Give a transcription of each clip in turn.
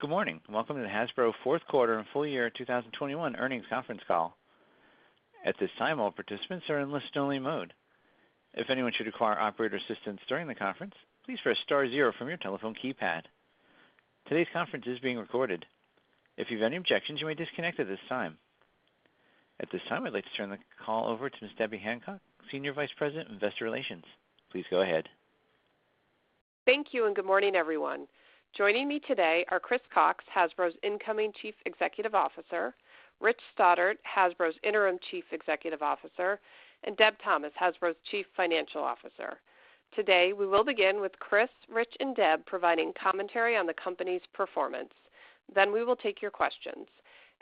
Good morning, and welcome to the Hasbro fourth quarter and full year 2021 earnings conference call. At this time, all participants are in listen-only mode. If anyone should require operator assistance during the conference, please press star zero from your telephone keypad. Today's conference is being recorded. If you have any objections, you may disconnect at this time. At this time, I'd like to turn the call over to Ms. Debbie Hancock, Senior Vice President of Investor Relations. Please go ahead. Thank you, and good morning, everyone. Joining me today are Chris Cocks, Hasbro's incoming Chief Executive Officer, Rich Stoddart, Hasbro's Interim Chief Executive Officer, and Deb Thomas, Hasbro's Chief Financial Officer. Today, we will begin with Chris, Rich, and Deb providing commentary on the company's performance. Then we will take your questions.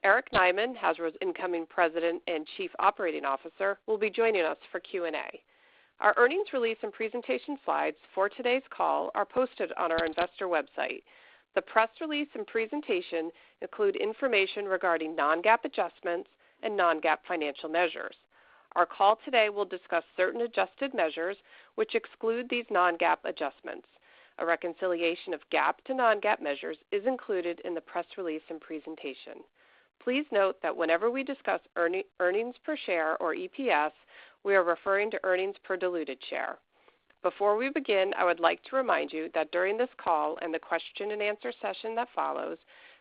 Eric Nyman, Hasbro's incoming President and Chief Operating Officer, will be joining us for Q&A. Our earnings release and presentation slides for today's call are posted on our investor website. The press release and presentation include information regarding non-GAAP adjustments and non-GAAP financial measures. Our call today will discuss certain adjusted measures which exclude these non-GAAP adjustments. A reconciliation of GAAP to non-GAAP measures is included in the press release and presentation. Please note that whenever we discuss earnings per share or EPS, we are referring to earnings per diluted share. Before we begin, I would like to remind you that during this call and the question and answer session that follows,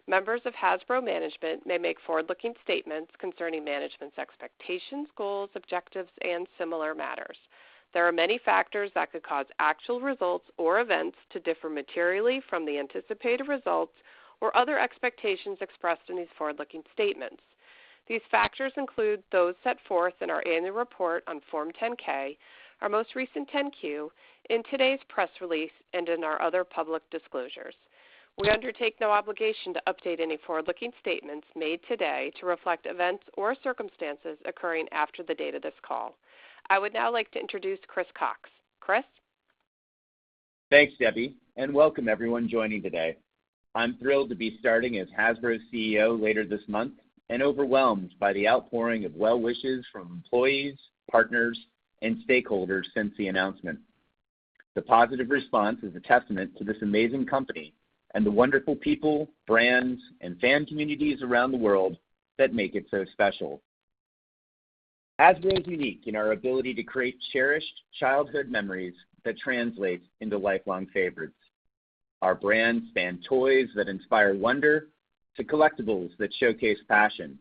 members of Hasbro management may make forward-looking statements concerning management's expectations, goals, objectives, and similar matters. There are many factors that could cause actual results or events to differ materially from the anticipated results or other expectations expressed in these forward-looking statements. These factors include those set forth in our annual report on Form 10-K, our most recent 10-Q, in today's press release, and in our other public disclosures. We undertake no obligation to update any forward-looking statements made today to reflect events or circumstances occurring after the date of this call. I would now like to introduce Chris Cocks. Chris? Thanks, Debbie, and welcome everyone joining today. I'm thrilled to be starting as Hasbro CEO later this month and overwhelmed by the outpouring of well wishes from employees, partners, and stakeholders since the announcement. The positive response is a testament to this amazing company and the wonderful people, brands, and fan communities around the world that make it so special. Hasbro is unique in our ability to create cherished childhood memories that translate into lifelong favorites. Our brands span toys that inspire wonder to collectibles that showcase passion,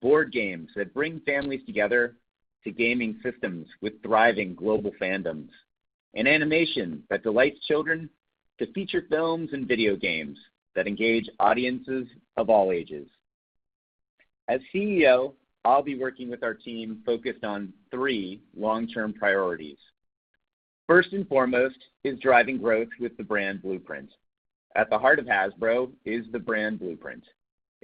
board games that bring families together to gaming systems with thriving global fandoms, and animation that delights children to feature films and video games that engage audiences of all ages. As CEO, I'll be working with our team focused on three long-term priorities. First and foremost is driving growth with the brand blueprint. At the heart of Hasbro is the brand blueprint.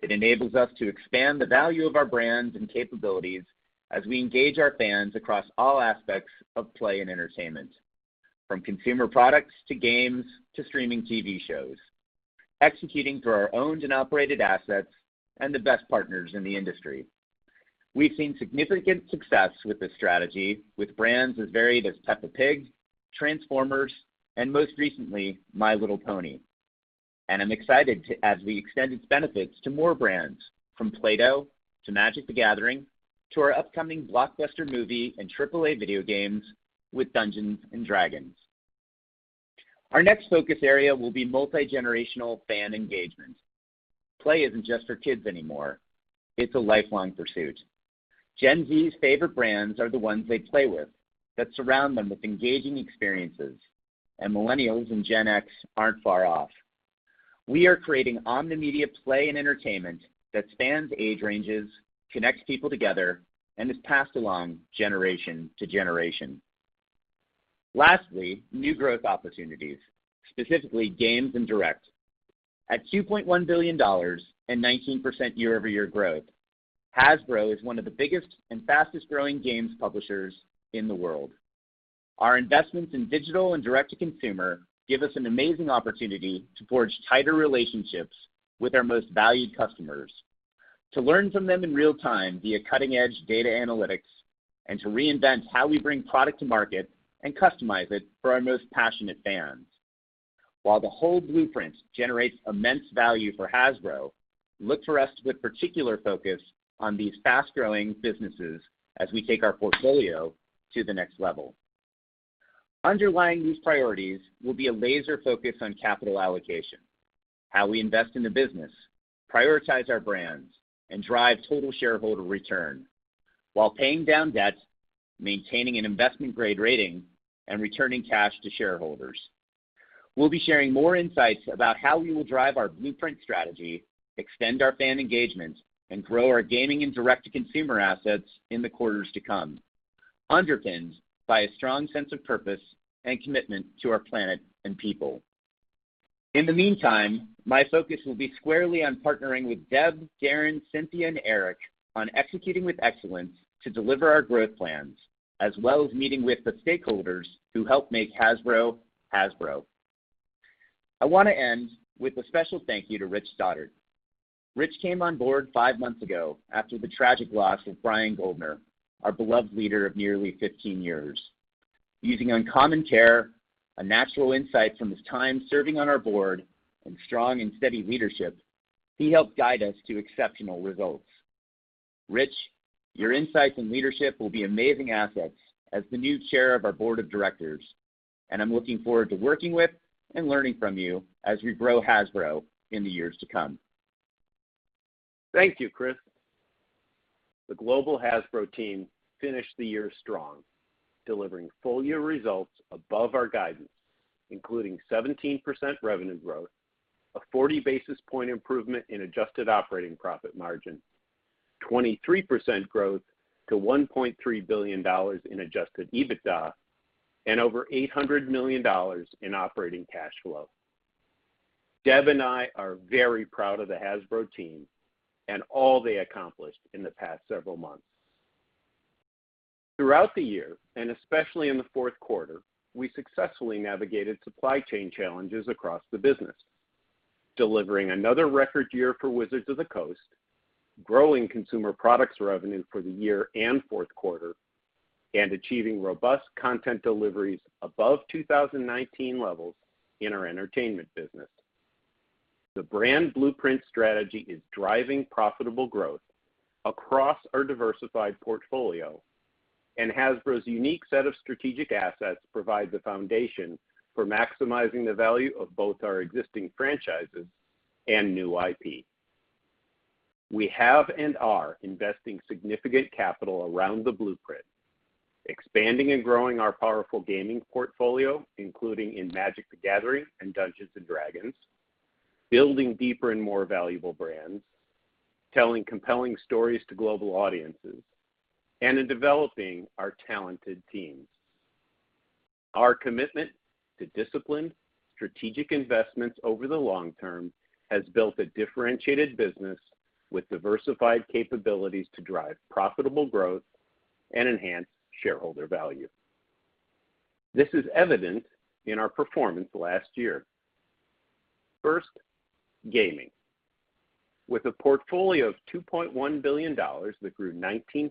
It enables us to expand the value of our brands and capabilities as we engage our fans across all aspects of play and entertainment, from consumer products to games to streaming TV shows, executing through our owned and operated assets and the best partners in the industry. We've seen significant success with this strategy with brands as varied as Peppa Pig, Transformers, and most recently, My Little Pony. I'm excited as we extend its benefits to more brands, from Play-Doh to Magic: The Gathering to our upcoming blockbuster movie and triple-A video games with Dungeons & Dragons. Our next focus area will be multigenerational fan engagement. Play isn't just for kids anymore, it's a lifelong pursuit. Gen Z's favorite brands are the ones they play with that surround them with engaging experiences, and millennials and Gen X aren't far off. We are creating omni media play and entertainment that spans age ranges, connects people together, and is passed along generation to generation. Lastly, new growth opportunities, specifically games and direct. At $2.1 billion and 19% year-over-year growth, Hasbro is one of the biggest and fastest-growing games publishers in the world. Our investments in digital and direct-to-consumer give us an amazing opportunity to forge tighter relationships with our most valued customers, to learn from them in real time via cutting-edge data analytics, and to reinvent how we bring product to market and customize it for our most passionate fans. While the whole blueprint generates immense value for Hasbro, look for us to put particular focus on these fast-growing businesses as we take our portfolio to the next level. Underlying these priorities will be a laser focus on capital allocation, how we invest in the business, prioritize our brands, and drive total shareholder return while paying down debt, maintaining an investment-grade rating, and returning cash to shareholders. We'll be sharing more insights about how we will drive our blueprint strategy, extend our fan engagement, and grow our gaming and direct-to-consumer assets in the quarters to come, underpinned by a strong sense of purpose and commitment to our planet and people. In the meantime, my focus will be squarely on partnering with Deb, Darren, Cynthia, and Eric on executing with excellence to deliver our growth plans, as well as meeting with the stakeholders who help make Hasbro. I wanna end with a special thank you to Rich Stoddart. Rich came on board five months ago after the tragic loss of Brian Goldner, our beloved leader of nearly 15 years. Using uncommon care, a natural insight from his time serving on our board, and strong and steady leadership, he helped guide us to exceptional results. Rich, your insights and leadership will be amazing assets as the new chair of our board of directors, and I'm looking forward to working with and learning from you as we grow Hasbro in the years to come. Thank you, Chris. The global Hasbro team finished the year strong, delivering full year results above our guidance, including 17% revenue growth, a 40 basis point improvement in adjusted operating profit margin, 23% growth to $1.3 billion in adjusted EBITDA, and over $800 million in operating cash flow. Deb and I are very proud of the Hasbro team and all they accomplished in the past several months. Throughout the year, and especially in the fourth quarter, we successfully navigated supply chain challenges across the business, delivering another record year for Wizards of the Coast, growing consumer products revenue for the year and fourth quarter, and achieving robust content deliveries above 2019 levels in our entertainment business. The brand blueprint strategy is driving profitable growth across our diversified portfolio, and Hasbro's unique set of strategic assets provide the foundation for maximizing the value of both our existing franchises and new IP. We have and are investing significant capital around the blueprint, expanding and growing our powerful gaming portfolio, including in Magic: The Gathering and Dungeons & Dragons, building deeper and more valuable brands, telling compelling stories to global audiences, and in developing our talented teams. Our commitment to disciplined, strategic investments over the long term has built a differentiated business with diversified capabilities to drive profitable growth and enhance shareholder value. This is evident in our performance last year. First, gaming. With a portfolio of $2.1 billion that grew 19%,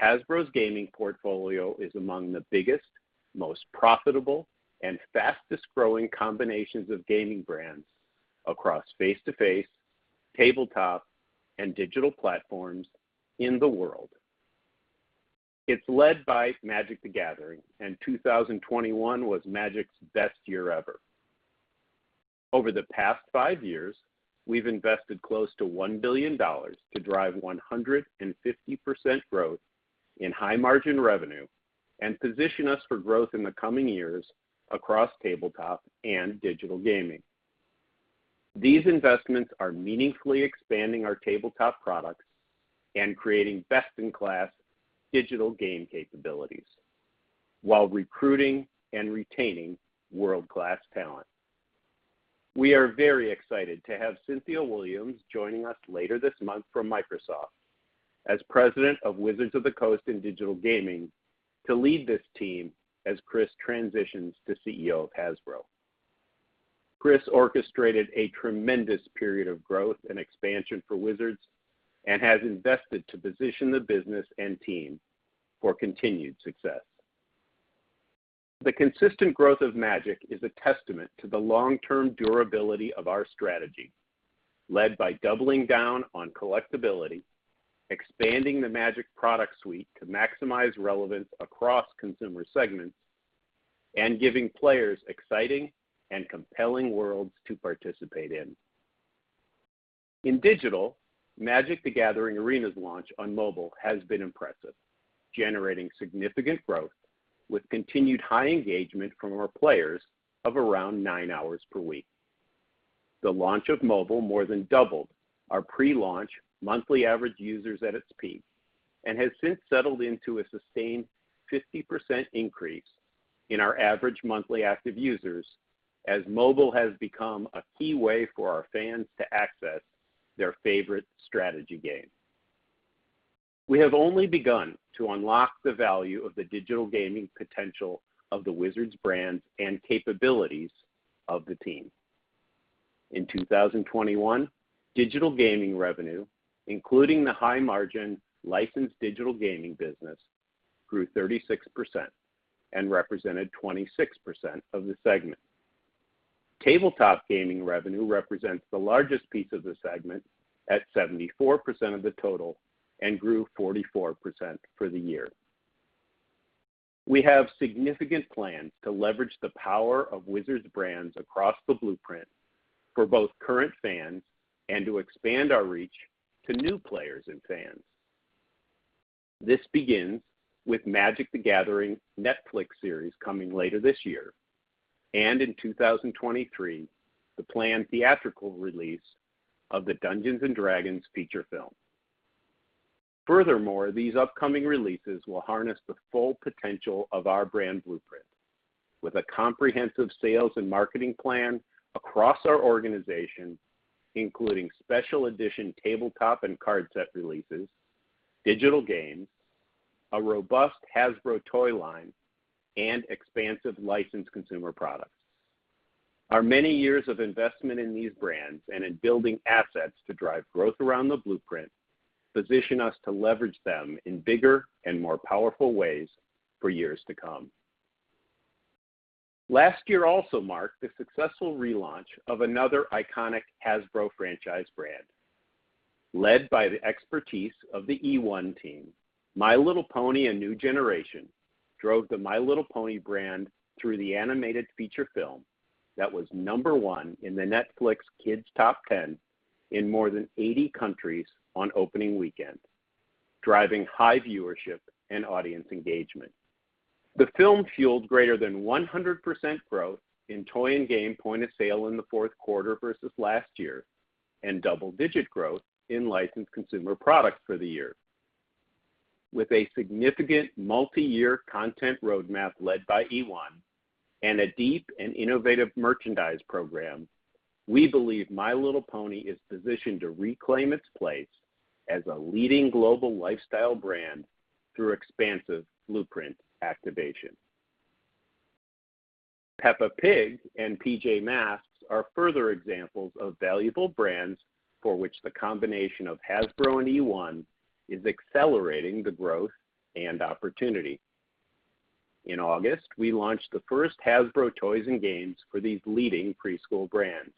Hasbro's gaming portfolio is among the biggest, most profitable, and fastest-growing combinations of gaming brands across face-to-face, tabletop, and digital platforms in the world. It's led by Magic: The Gathering, and 2021 was Magic's best year ever. Over the past five years, we've invested close to $1 billion to drive 150% growth in high-margin revenue and position us for growth in the coming years across tabletop and digital gaming. These investments are meaningfully expanding our tabletop products and creating best-in-class digital game capabilities while recruiting and retaining world-class talent. We are very excited to have Cynthia Williams joining us later this month from Microsoft as President of Wizards of the Coast and Digital Gaming to lead this team as Chris transitions to CEO of Hasbro. Chris orchestrated a tremendous period of growth and expansion for Wizards and has invested to position the business and team for continued success. The consistent growth of Magic is a testament to the long-term durability of our strategy, led by doubling down on collectibility, expanding the Magic product suite to maximize relevance across consumer segments, and giving players exciting and compelling worlds to participate in. In digital, Magic: The Gathering Arena's launch on mobile has been impressive, generating significant growth with continued high engagement from our players of around nine hours per week. The launch of mobile more than doubled our pre-launch monthly average users at its peak and has since settled into a sustained 50% increase in our average monthly active users as mobile has become a key way for our fans to access their favorite strategy game. We have only begun to unlock the value of the digital gaming potential of the Wizards brands and capabilities of the team. In 2021, digital gaming revenue, including the high-margin licensed digital gaming business, grew 36% and represented 26% of the segment. Tabletop gaming revenue represents the largest piece of the segment at 74% of the total and grew 44% for the year. We have significant plans to leverage the power of Wizards brands across the blueprint for both current fans and to expand our reach to new players and fans. This begins with Magic: The Gathering Netflix series coming later this year, and in 2023, the planned theatrical release of the Dungeons & Dragons feature film. Furthermore, these upcoming releases will harness the full potential of our brand blueprint with a comprehensive sales and marketing plan across our organization, including special edition tabletop and card set releases, digital games, a robust Hasbro toy line and expansive licensed consumer products. Our many years of investment in these brands and in building assets to drive growth around the blueprint position us to leverage them in bigger and more powerful ways for years to come. Last year also marked the successful relaunch of another iconic Hasbro franchise brand. Led by the expertise of the eOne team, My Little Pony: A New Generation drove the My Little Pony brand through the animated feature film that was number one in the Netflix Kids Top 10 in more than 80 countries on opening weekend, driving high viewership and audience engagement. The film fueled greater than 100% growth in toy and game point of sale in the fourth quarter versus last year and double-digit growth in licensed consumer products for the year. With a significant multi-year content roadmap led by eOne and a deep and innovative merchandise program, we believe My Little Pony is positioned to reclaim its place as a leading global lifestyle brand through expansive blueprint activation. Peppa Pig and PJ Masks are further examples of valuable brands for which the combination of Hasbro and eOne is accelerating the growth and opportunity. In August, we launched the first Hasbro toys and games for these leading preschool brands.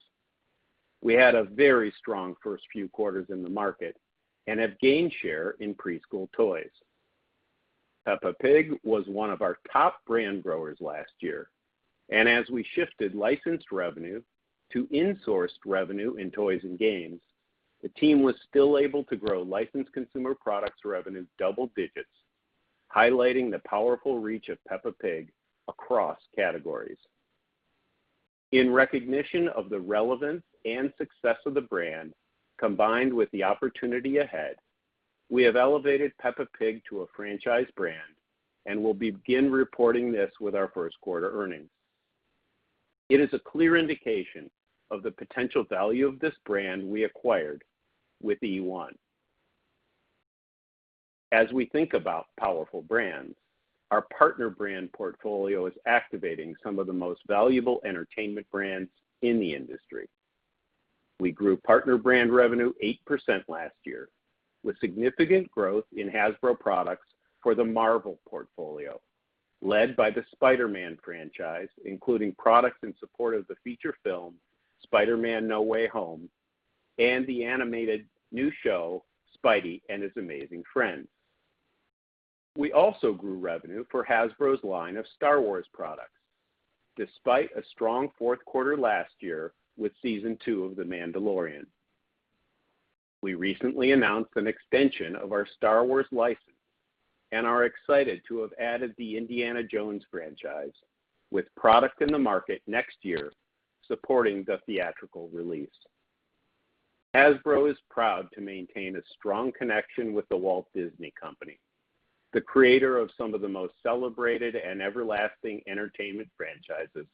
We had a very strong first few quarters in the market and have gained share in preschool toys. Peppa Pig was one of our top brand growers last year, and as we shifted licensed revenue to insourced revenue in toys and games, the team was still able to grow licensed consumer products revenue double digits, highlighting the powerful reach of Peppa Pig across categories. In recognition of the relevance and success of the brand, combined with the opportunity ahead, we have elevated Peppa Pig to a franchise brand and will begin reporting this with our first quarter earnings. It is a clear indication of the potential value of this brand we acquired with eOne. As we think about powerful brands, our partner brand portfolio is activating some of the most valuable entertainment brands in the industry. We grew partner brand revenue 8% last year, with significant growth in Hasbro products for the Marvel portfolio, led by the Spider-Man franchise, including products in support of the feature film Spider-Man: No Way Home and the animated new show Spidey and His Amazing Friends. We also grew revenue for Hasbro's line of Star Wars products, despite a strong fourth quarter last year with season 2 of The Mandalorian. We recently announced an extension of our Star Wars license and are excited to have added the Indiana Jones franchise with product in the market next year supporting the theatrical release. Hasbro is proud to maintain a strong connection with The Walt Disney Company, the creator of some of the most celebrated and everlasting entertainment franchises,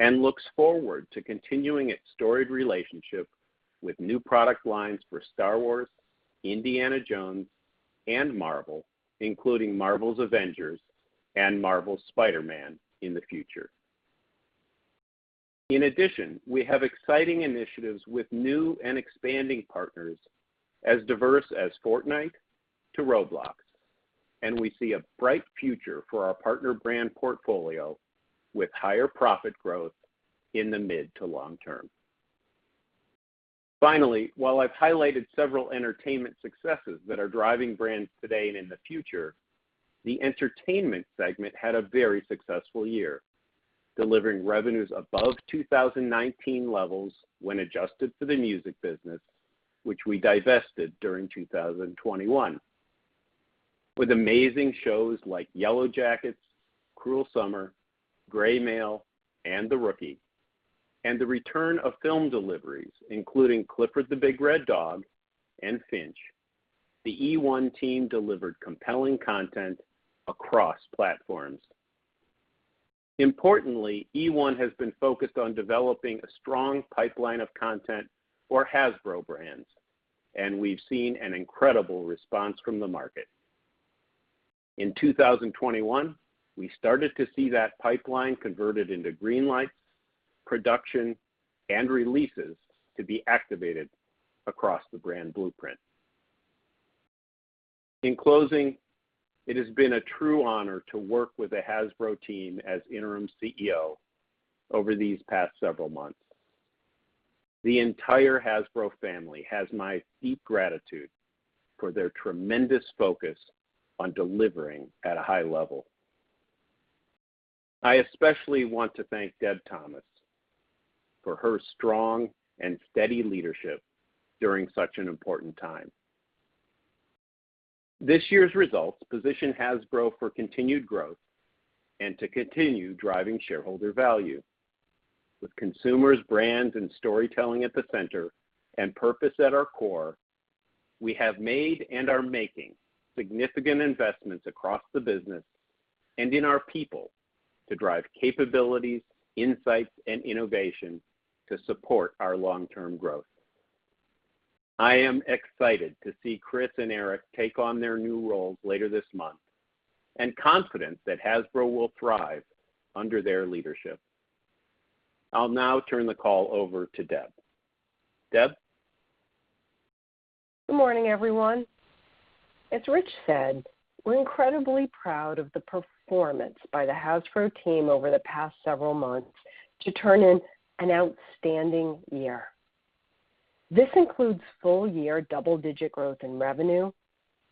and looks forward to continuing its storied relationship with new product lines for Star Wars, Indiana Jones, and Marvel, including Marvel's Avengers and Marvel's Spider-Man in the future. In addition, we have exciting initiatives with new and expanding partners as diverse as Fortnite to Roblox, and we see a bright future for our partner brand portfolio with higher profit growth in the mid to long term. Finally, while I've highlighted several entertainment successes that are driving brands today and in the future, the Entertainment segment had a very successful year, delivering revenues above 2019 levels when adjusted for the music business, which we divested during 2021. With amazing shows like Yellowjackets, Cruel Summer, Grey's Anatomy, and The Rookie, and the return of film deliveries, including Clifford the Big Red Dog and Finch, the eOne team delivered compelling content across platforms. Importantly, eOne has been focused on developing a strong pipeline of content for Hasbro brands, and we've seen an incredible response from the market. In 2021, we started to see that pipeline converted into greenlights, production, and releases to be activated across the brand blueprint. In closing, it has been a true honor to work with the Hasbro team as Interim CEO over these past several months. The entire Hasbro family has my deep gratitude for their tremendous focus on delivering at a high level. I especially want to thank Deb Thomas for her strong and steady leadership during such an important time. This year's results position Hasbro for continued growth and to continue driving shareholder value. With consumers, brands, and storytelling at the center and purpose at our core, we have made and are making significant investments across the business and in our people to drive capabilities, insights, and innovation to support our long-term growth. I am excited to see Chris and Eric take on their new roles later this month and confident that Hasbro will thrive under their leadership. I'll now turn the call over to Deb. Deb? Good morning, everyone. As Rich said, we're incredibly proud of the performance by the Hasbro team over the past several months to turn in an outstanding year. This includes full year double-digit growth in revenue,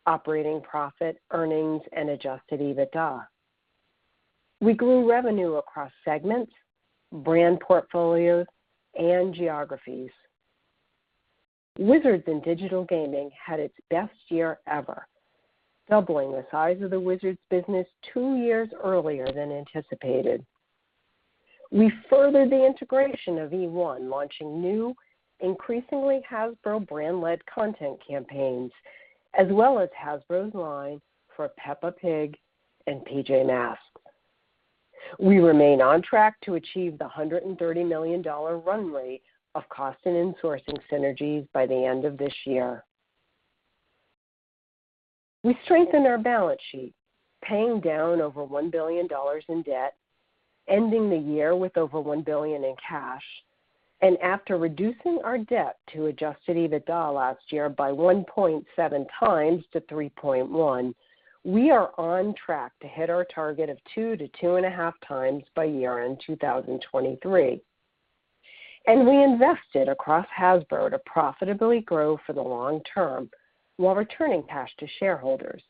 operating profit, earnings, and adjusted EBITDA. We grew revenue across segments, brand portfolios, and geographies. Wizards and Digital Gaming had its best year ever, doubling the size of the Wizards business two years earlier than anticipated. We furthered the integration of eOne, launching new, increasingly Hasbro brand-led content campaigns, as well as Hasbro's line for Peppa Pig and PJ Masks. We remain on track to achieve the $130 million run rate of cost and insourcing synergies by the end of this year. We strengthened our balance sheet, paying down over $1 billion in debt, ending the year with over $1 billion in cash. After reducing our debt to adjusted EBITDA last year by 1.7x to 3.1x, we are on track to hit our target of 2x to 2.5x by year-end 2023. We invested across Hasbro to profitably grow for the long term while returning cash to shareholders,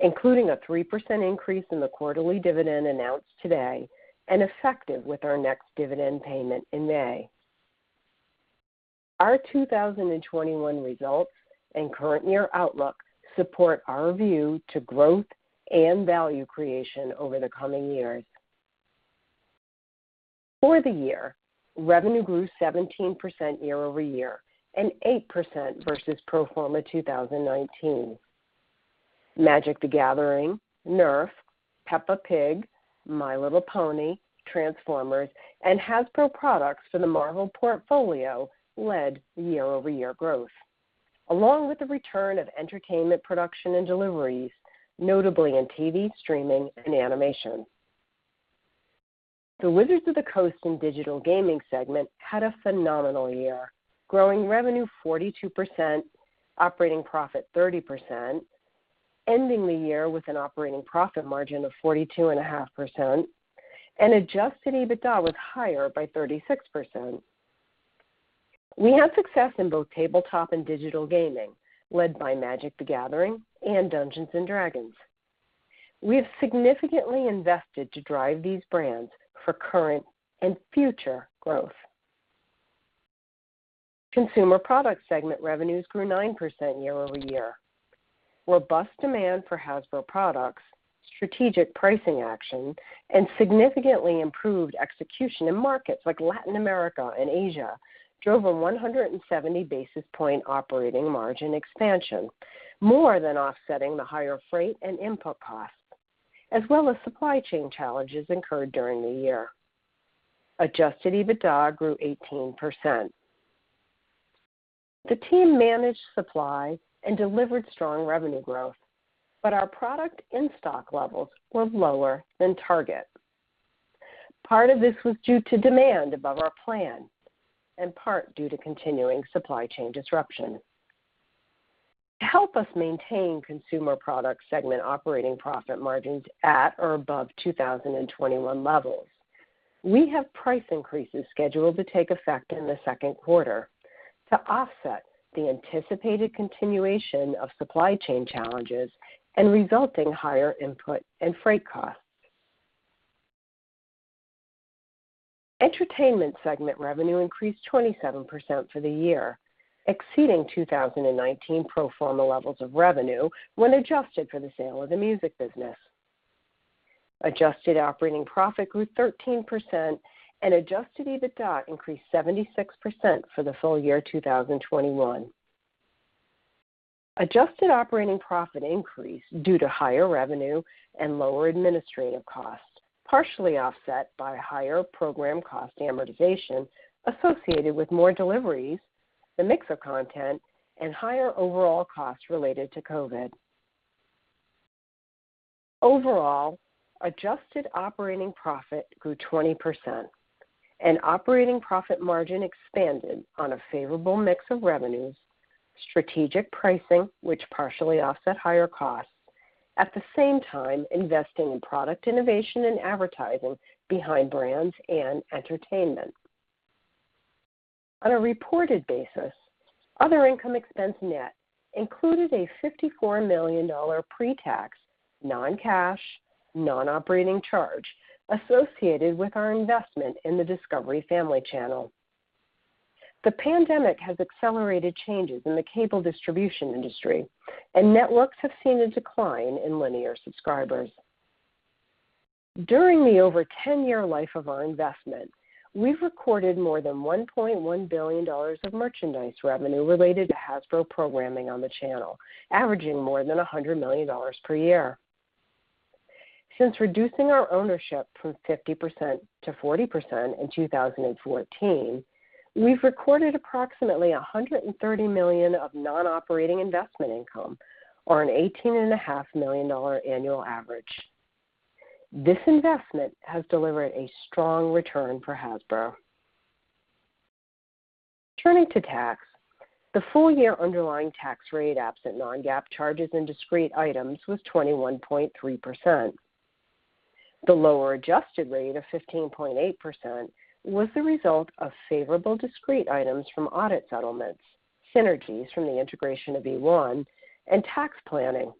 including a 3% increase in the quarterly dividend announced today and effective with our next dividend payment in May. Our 2021 results and current year outlook support our view to growth and value creation over the coming years. For the year, revenue grew 17% year-over-year and 8% versus pro forma 2019. Magic: The Gathering, NERF, Peppa Pig, My Little Pony, Transformers, and Hasbro products for the Marvel portfolio led year-over-year growth, along with the return of entertainment production and deliveries, notably in TV, streaming, and animation. The Wizards of the Coast and Digital Gaming segment had a phenomenal year, growing revenue 42%, operating profit 30%, ending the year with an operating profit margin of 42.5% and adjusted EBITDA was higher by 36%. We had success in both tabletop and digital gaming, led by Magic: The Gathering and Dungeons & Dragons. We have significantly invested to drive these brands for current and future growth. Consumer products segment revenues grew 9% year-over-year. Robust demand for Hasbro products, strategic pricing action, and significantly improved execution in markets like Latin America and Asia drove a 170 basis point operating margin expansion, more than offsetting the higher freight and input costs as well as supply chain challenges incurred during the year. Adjusted EBITDA grew 18%. The team managed supply and delivered strong revenue growth, but our product in-stock levels were lower than target. Part of this was due to demand above our plan and part due to continuing supply chain disruption. To help us maintain Consumer Product segment operating profit margins at or above 2021 levels, we have price increases scheduled to take effect in the second quarter to offset the anticipated continuation of supply chain challenges and resulting higher input and freight costs. Entertainment segment revenue increased 27% for the year, exceeding 2019 pro forma levels of revenue when adjusted for the sale of the music business. Adjusted operating profit grew 13% and adjusted EBITDA increased 76% for the full year 2021. Adjusted operating profit increased due to higher revenue and lower administrative costs, partially offset by higher program cost amortization associated with more deliveries, the mix of content, and higher overall costs related to COVID. Overall, adjusted operating profit grew 20% and operating profit margin expanded on a favorable mix of revenues, strategic pricing which partially offset higher costs, at the same time investing in product innovation and advertising behind brands and entertainment. On a reported basis, other income expense net included a $54 million pre-tax, non-cash, non-operating charge associated with our investment in the Discovery Family channel. The pandemic has accelerated changes in the cable distribution industry and networks have seen a decline in linear subscribers. During the over 10-year life of our investment, we've recorded more than $1.1 billion of merchandise revenue related to Hasbro programming on the channel, averaging more than $100 million per year. Since reducing our ownership from 50% to 40% in 2014, we've recorded approximately $130 million of non-operating investment income or an $18.5 million annual average. This investment has delivered a strong return for Hasbro. Turning to tax, the full year underlying tax rate, absent non-GAAP charges and discrete items, was 21.3%. The lower adjusted rate of 15.8% was the result of favorable discrete items from audit settlements, synergies from the integration of eOne and tax planning.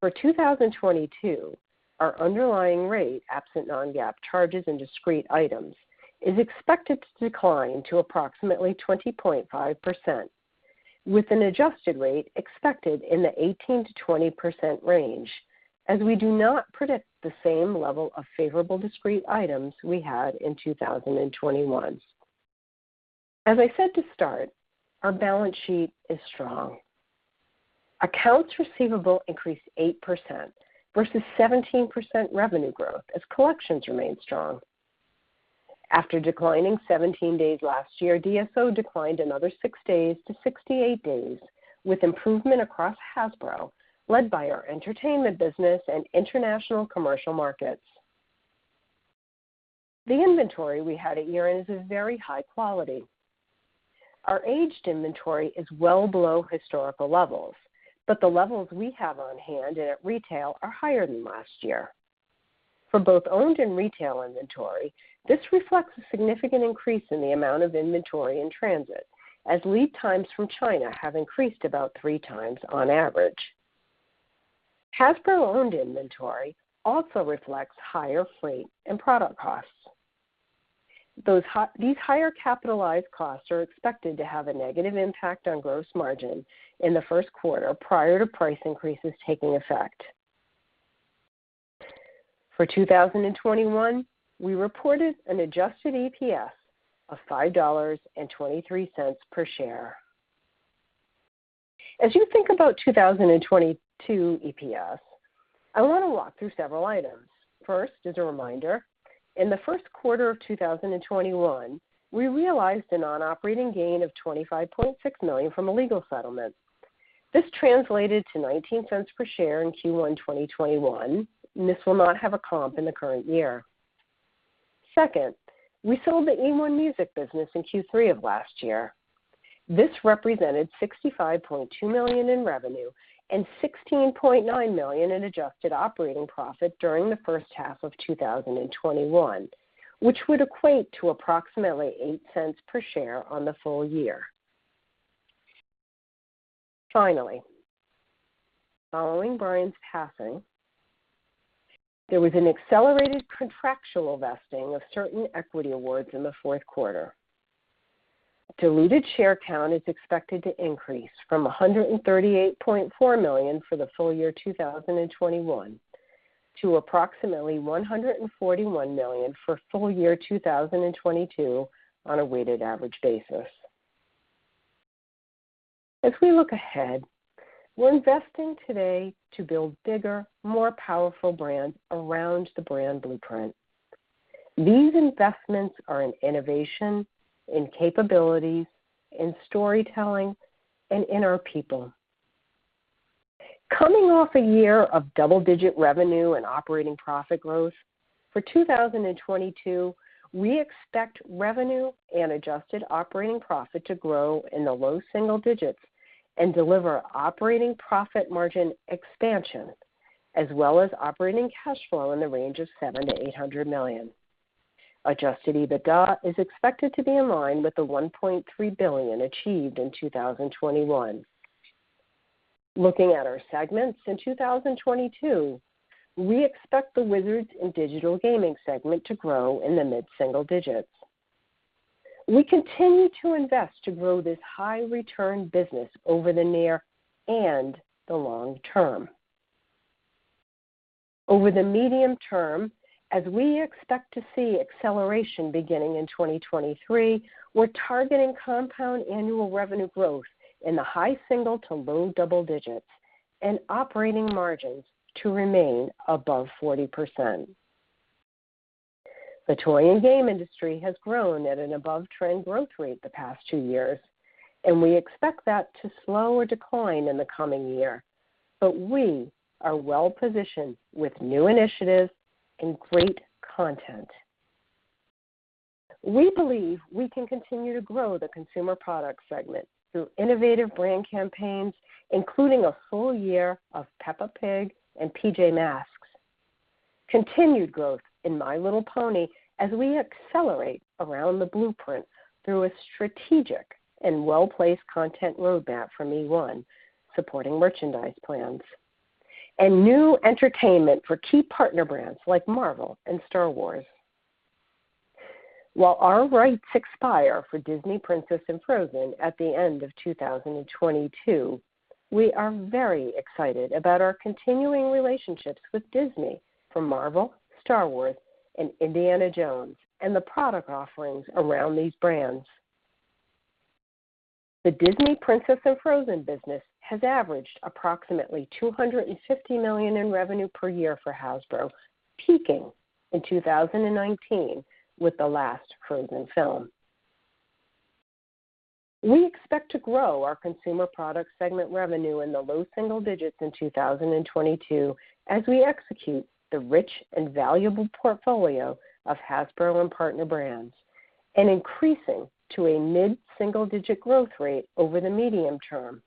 For 2022, our underlying rate, absent non-GAAP charges and discrete items, is expected to decline to approximately 20.5%, with an adjusted rate expected in the 18%-20% range as we do not predict the same level of favorable discrete items we had in 2021. Our balance sheet is strong. Accounts receivable increased 8% versus 17% revenue growth as collections remained strong. After declining 17 days last year, DSO declined another six days to 68 days, with improvement across Hasbro led by our entertainment business and international commercial markets. The inventory we had at year-end is of very high quality. Our aged inventory is well below historical levels, but the levels we have on hand and at retail are higher than last year. For both owned and retail inventory, this reflects a significant increase in the amount of inventory in transit as lead times from China have increased about three times on average. Hasbro owned inventory also reflects higher freight and product costs. These higher capitalized costs are expected to have a negative impact on gross margin in the first quarter prior to price increases taking effect. For 2021, we reported an adjusted EPS of $5.23 per share. As you think about 2022 EPS, I want to walk through several items. First, as a reminder, in the first quarter of 2021, we realized a non-operating gain of $25.6 million from a legal settlement. This translated to $0.19 per share in Q1 2021, and this will not have a comp in the current year. Second, we sold the eOne Music business in Q3 of last year. This represented $65.2 million in revenue and $16.9 million in adjusted operating profit during the first half of 2021, which would equate to approximately $0.08 per share on the full year. Finally, following Brian's passing, there was an accelerated contractual vesting of certain equity awards in the fourth quarter. Diluted share count is expected to increase from 138.4 million for the full year 2021 to approximately 141 million for full year 2022 on a weighted average basis. As we look ahead, we're investing today to build bigger, more powerful brands around the brand blueprint. These investments are in innovation, in capabilities, in storytelling and in our people. Coming off a year of double-digit revenue and operating profit growth, for 2022, we expect revenue and adjusted operating profit to grow in the low single digits and deliver operating profit margin expansion, as well as operating cash flow in the range of $700 million-$800 million. Adjusted EBITDA is expected to be in line with the $1.3 billion achieved in 2021. Looking at our segments, in 2022, we expect the Wizards and Digital Gaming segment to grow in the mid single digits. We continue to invest to grow this high return business over the near and the long term. Over the medium term, as we expect to see acceleration beginning in 2023, we're targeting compound annual revenue growth in the high single to low double digits and operating margins to remain above 40%. The toy and game industry has grown at an above trend growth rate the past two years, and we expect that to slow or decline in the coming year. We are well positioned with new initiatives and great content. We believe we can continue to grow the consumer products segment through innovative brand campaigns, including a full year of Peppa Pig and PJ Masks, continued growth in My Little Pony as we accelerate around the blueprint through a strategic and well-placed content roadmap from eOne supporting merchandise plans, and new entertainment for key partner brands like Marvel and Star Wars. While our rights expire for Disney Princess and Frozen at the end of 2022, we are very excited about our continuing relationships with Disney from Marvel, Star Wars and Indiana Jones and the product offerings around these brands. The Disney Princess and Frozen business has averaged approximately $250 million in revenue per year for Hasbro, peaking in 2019 with the last Frozen film. We expect to grow our consumer products segment revenue in the low single digits in 2022 as we execute the rich and valuable portfolio of Hasbro and partner brands and increasing to a mid-single digit growth rate over the medium term,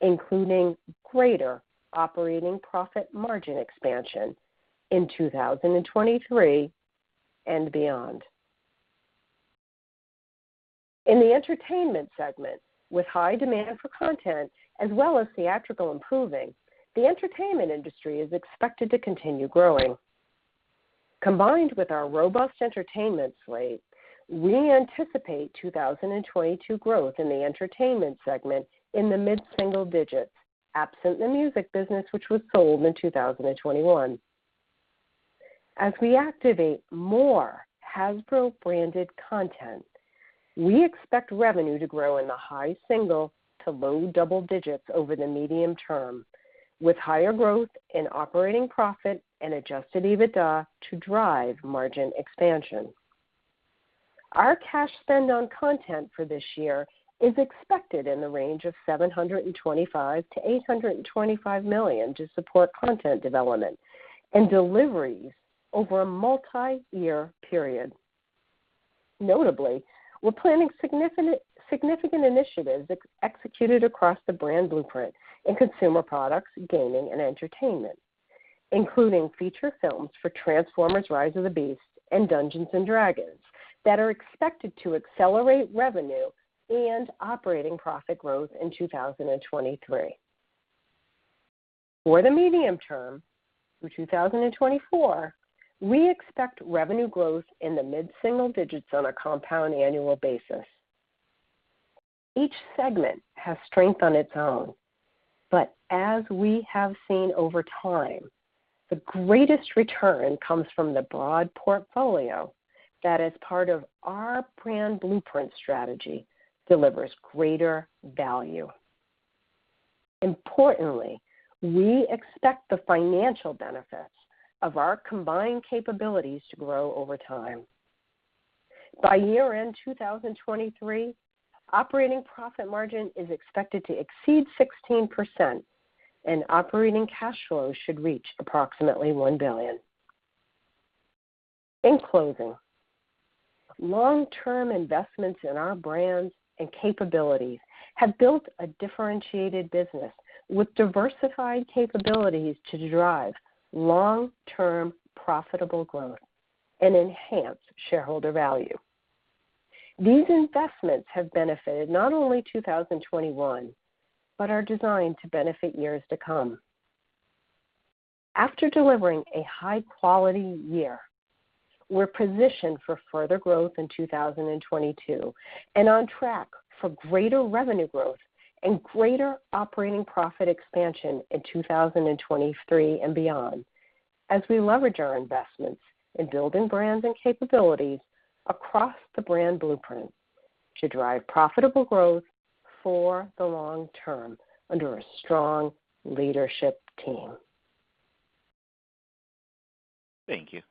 including greater operating profit margin expansion in 2023 and beyond. In the Entertainment segment, with high demand for content as well as theatrical improving, the entertainment industry is expected to continue growing. Combined with our robust entertainment slate, we anticipate 2022 growth in the Entertainment segment in the mid-single-digit, absent the music business, which was sold in 2021. As we activate more Hasbro branded content, we expect revenue to grow in the high single- to low double-digit over the medium term, with higher growth in operating profit and adjusted EBITDA to drive margin expansion. Our cash spend on content for this year is expected in the range of $725 million-$825 million to support content development and deliveries over a multiyear period. Notably, we're planning significant initiatives executed across the brand blueprint in consumer products, gaming and entertainment, including feature films for Transformers: Rise of the Beasts and Dungeons & Dragons that are expected to accelerate revenue and operating profit growth in 2023. For the medium term, through 2024, we expect revenue growth in the mid-single digits on a compound annual basis. Each segment has strength on its own, but as we have seen over time, the greatest return comes from the broad portfolio that as part of our brand blueprint strategy delivers greater value. Importantly, we expect the financial benefits of our combined capabilities to grow over time. By year-end 2023, operating profit margin is expected to exceed 16% and operating cash flow should reach approximately $1 billion. In closing, long-term investments in our brands and capabilities have built a differentiated business with diversified capabilities to drive long-term profitable growth and enhance shareholder value. These investments have benefited not only 2021, but are designed to benefit years to come. After delivering a high quality year, we're positioned for further growth in 2022 and on track for greater revenue growth and greater operating profit expansion in 2023 and beyond as we leverage our investments in building brands and capabilities across the brand blueprint to drive profitable growth for the long term under a strong leadership team. Thank you.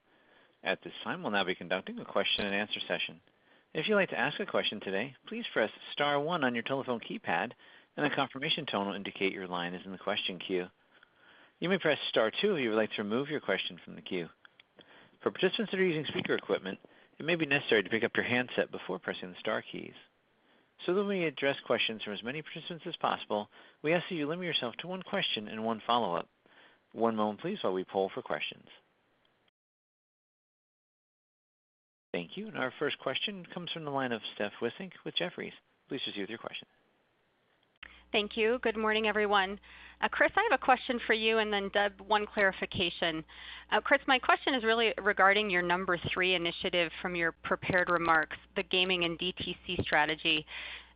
At this time, we'll now be conducting a question and answer session. If you'd like to ask a question today, please press star one on your telephone keypad and a confirmation tone will indicate your line is in the question queue. You may press star two if you would like to remove your question from the queue. For participants that are using speaker equipment, it may be necessary to pick up your handset before pressing the star keys. So that we may address questions from as many participants as possible, we ask that you limit yourself to one question and one follow-up. One moment, please, while we poll for questions. Thank you. Our first question comes from the line of Steph Wissink with Jefferies. Please proceed with your question. Thank you. Good morning, everyone. Chris, I have a question for you and then Deb, one clarification. Chris, my question is really regarding your number three initiative from your prepared remarks, the gaming and DTC strategy.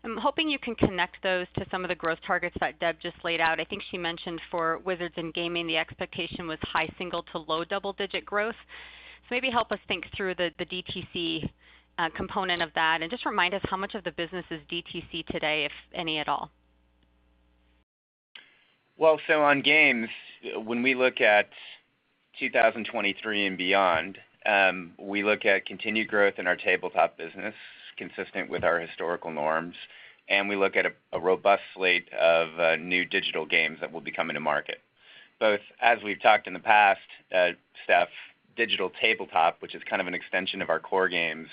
I'm hoping you can connect those to some of the growth targets that Deb just laid out. I think she mentioned for Wizards and gaming, the expectation was high single to low double-digit growth. Maybe help us think through the DTC component of that and just remind us how much of the business is DTC today, if any at all. Well, on games, when we look at 2023 and beyond, we look at continued growth in our tabletop business consistent with our historical norms, and we look at a robust slate of new digital games that will be coming to market. Both, as we've talked in the past, Steph, digital tabletop, which is kind of an extension of our core games,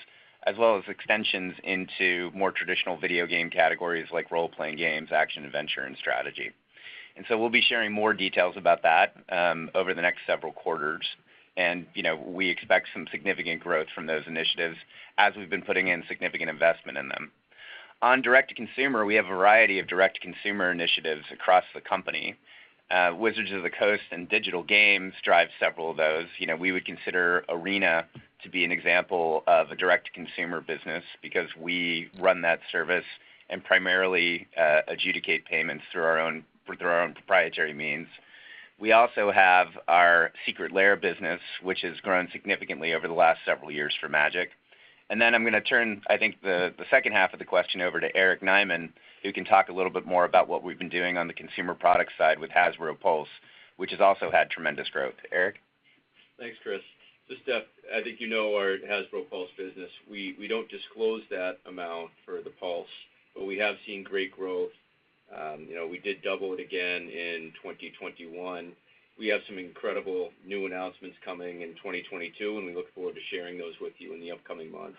as well as extensions into more traditional video game categories like role-playing games, action, adventure, and strategy. You know, we expect some significant growth from those initiatives as we've been putting in significant investment in them. On direct to consumer, we have a variety of direct to consumer initiatives across the company. Wizards of the Coast and Digital Games drive several of those. You know, we would consider Arena to be an example of a direct to consumer business because we run that service and primarily adjudicate payments through our own proprietary means. We also have our Secret Lair business, which has grown significantly over the last several years for Magic. I'm gonna turn, I think, the second half of the question over to Eric Nyman, who can talk a little bit more about what we've been doing on the consumer product side with Hasbro Pulse, which has also had tremendous growth. Eric? Thanks, Chris. Steph, I think you know our Hasbro Pulse business. We don't disclose that amount for the Pulse, but we have seen great growth. You know, we did double it again in 2021. We have some incredible new announcements coming in 2022, and we look forward to sharing those with you in the upcoming months.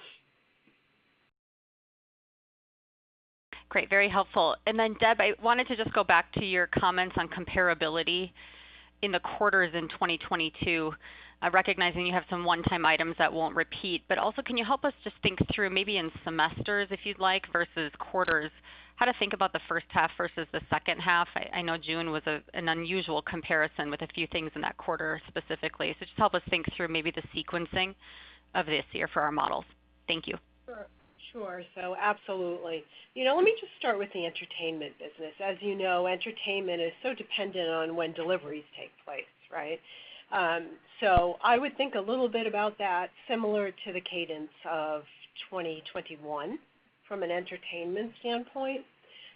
Great. Very helpful. Deb, I wanted to just go back to your comments on comparability in the quarters in 2022, recognizing you have some one-time items that won't repeat. Also, can you help us just think through, maybe in semesters if you'd like, versus quarters, how to think about the first half versus the second half? I know June was an unusual comparison with a few things in that quarter specifically. Just help us think through maybe the sequencing of this year for our models. Thank you. Sure. Absolutely. You know, let me just start with the entertainment business. As you know, entertainment is so dependent on when deliveries take place, right? I would think a little bit about that similar to the cadence of 2021 from an entertainment standpoint.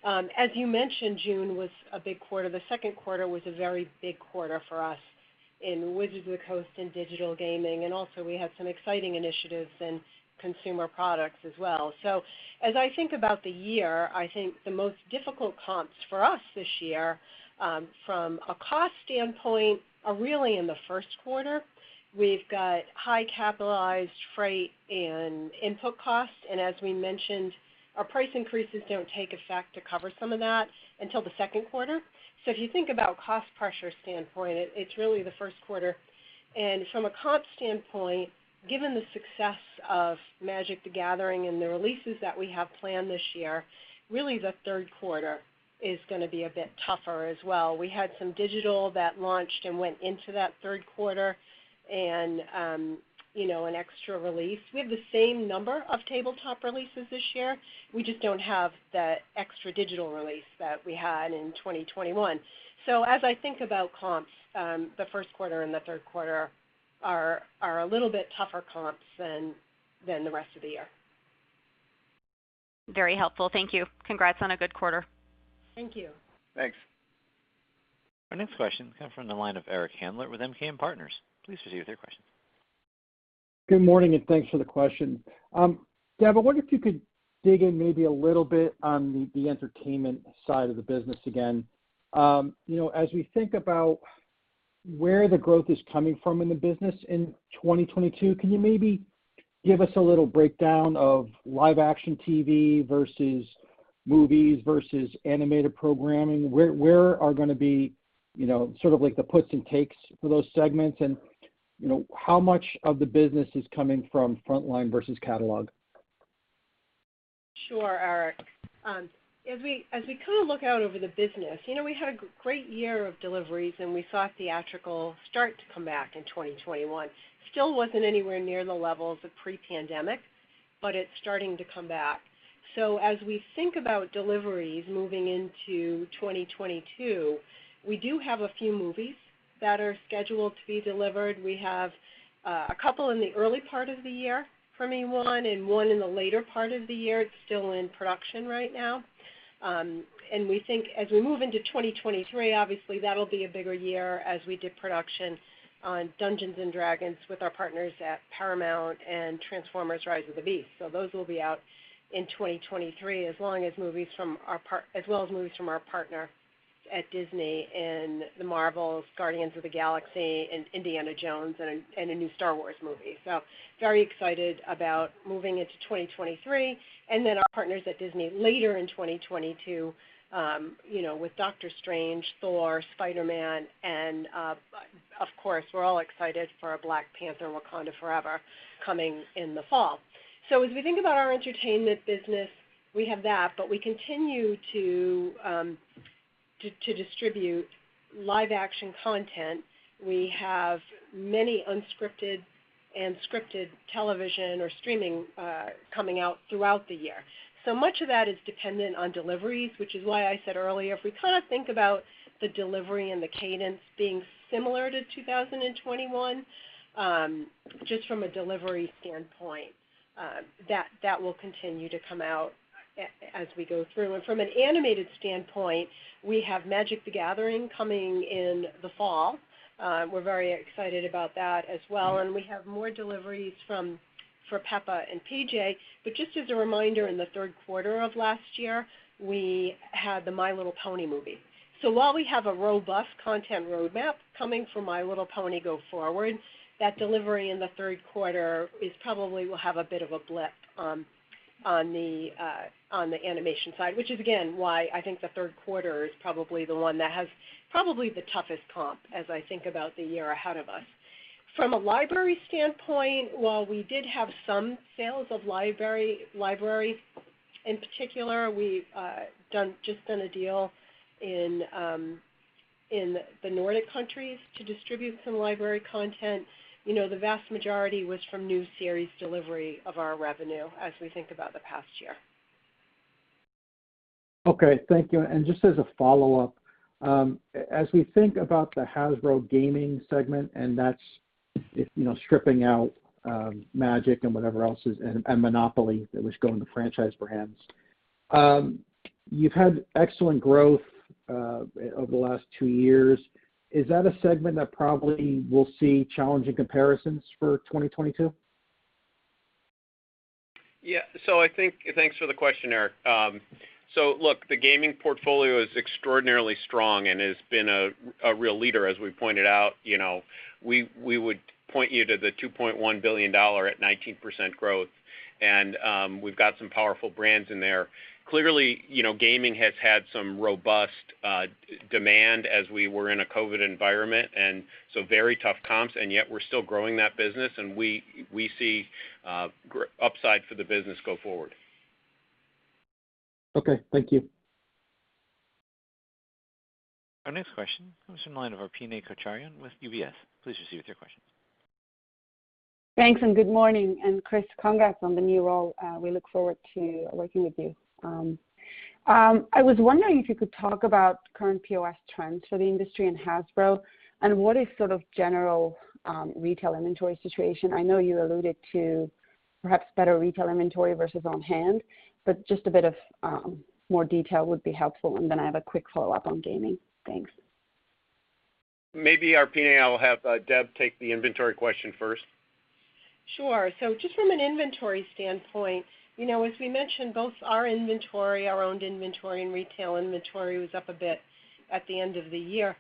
As you mentioned, June was a big quarter. The second quarter was a very big quarter for us in Wizards of the Coast and Digital Gaming, and also we had some exciting initiatives in consumer products as well. As I think about the year, I think the most difficult comps for us this year, from a cost standpoint are really in the first quarter. We've got high capitalized freight and input costs, and as we mentioned, our price increases don't take effect to cover some of that until the second quarter. If you think about cost pressure standpoint, it's really the first quarter. From a comp standpoint, given the success of Magic: The Gathering and the releases that we have planned this year, really the third quarter is gonna be a bit tougher as well. We had some digital that launched and went into that third quarter and, you know, an extra release. We have the same number of tabletop releases this year, we just don't have the extra digital release that we had in 2021. As I think about comps, the first quarter and the third quarter are a little bit tougher comps than the rest of the year. Very helpful. Thank you. Congrats on a good quarter. Thank you. Thanks. Our next question comes from the line of Eric Handler with MKM Partners. Please proceed with your question. Good morning, and thanks for the question. Deb, I wonder if you could dig in maybe a little bit on the entertainment side of the business again. You know, as we think about where the growth is coming from in the business in 2022, can you maybe give us a little breakdown of live action TV versus movies versus animated programming? Where are gonna be, you know, sort of like the puts and takes for those segments? You know, how much of the business is coming from frontline versus catalog? Sure, Eric. As we kind of look out over the business, you know, we had a great year of deliveries, and we saw theatrical start to come back in 2021. Still wasn't anywhere near the levels of pre-pandemic, but it's starting to come back. As we think about deliveries moving into 2022, we do have a few movies that are scheduled to be delivered. We have a couple in the early part of the year from eOne and one in the later part of the year. It's still in production right now. We think as we move into 2023, obviously, that'll be a bigger year as we did production on Dungeons & Dragons with our partners at Paramount and Transformers: Rise of the Beasts. Those will be out in 2023, as long as movies from our part. As well as movies from our partner at Disney in The Marvels, Guardians of the Galaxy, and Indiana Jones, and a new Star Wars movie. Very excited about moving into 2023. Then our partners at Disney later in 2022 with Doctor Strange, Thor, Spider-Man, and of course, we're all excited for our Black Panther: Wakanda Forever coming in the fall. As we think about our entertainment business, we have that, but we continue to distribute live action content. We have many unscripted and scripted television or streaming coming out throughout the year. Much of that is dependent on deliveries, which is why I said earlier, if we kinda think about the delivery and the cadence being similar to 2021, just from a delivery standpoint, that will continue to come out as we go through. From an animated standpoint, we have Magic: The Gathering coming in the fall. We're very excited about that as well. We have more deliveries from, for Peppa and PJ. Just as a reminder, in the third quarter of last year, we had the My Little Pony movie. While we have a robust content roadmap coming from My Little Pony go forward, that delivery in the third quarter probably will have a bit of a blip on the animation side, which is again why I think the third quarter is probably the one that has probably the toughest comp as I think about the year ahead of us. From a library standpoint, while we did have some sales of library, in particular, we've just done a deal in the Nordic countries to distribute some library content. You know, the vast majority was from new series delivery of our revenue as we think about the past year. Okay. Thank you. Just as a follow-up, as we think about the Hasbro gaming segment and that's stripping out Magic and whatever else is and Monopoly that was going to franchise brands. You've had excellent growth over the last two years. Is that a segment that probably will see challenging comparisons for 2022? Yeah. I think thanks for the question, Eric. Look, the gaming portfolio is extraordinarily strong and has been a real leader as we pointed out. You know, we would point you to the $2.1 billion at 19% growth. We've got some powerful brands in there. Clearly, you know, gaming has had some robust demand as we were in a COVID environment, and so very tough comps, and yet we're still growing that business, and we see upside for the business go forward. Okay. Thank you. Our next question comes from the line of Arpine Kocharian with UBS. Please proceed with your question. Thanks, good morning. Chris, congrats on the new role. We look forward to working with you. I was wondering if you could talk about current POS trends for the industry in Hasbro, and what is sort of general retail inventory situation. I know you alluded to perhaps better retail inventory versus on-hand, but just a bit of more detail would be helpful. Then I have a quick follow-up on gaming. Thanks. Maybe, Arpine, I'll have Deb take the inventory question first. Sure. Just from an inventory standpoint, you know, as we mentioned, both our inventory, our owned inventory and retail inventory was up a bit at the end of the year.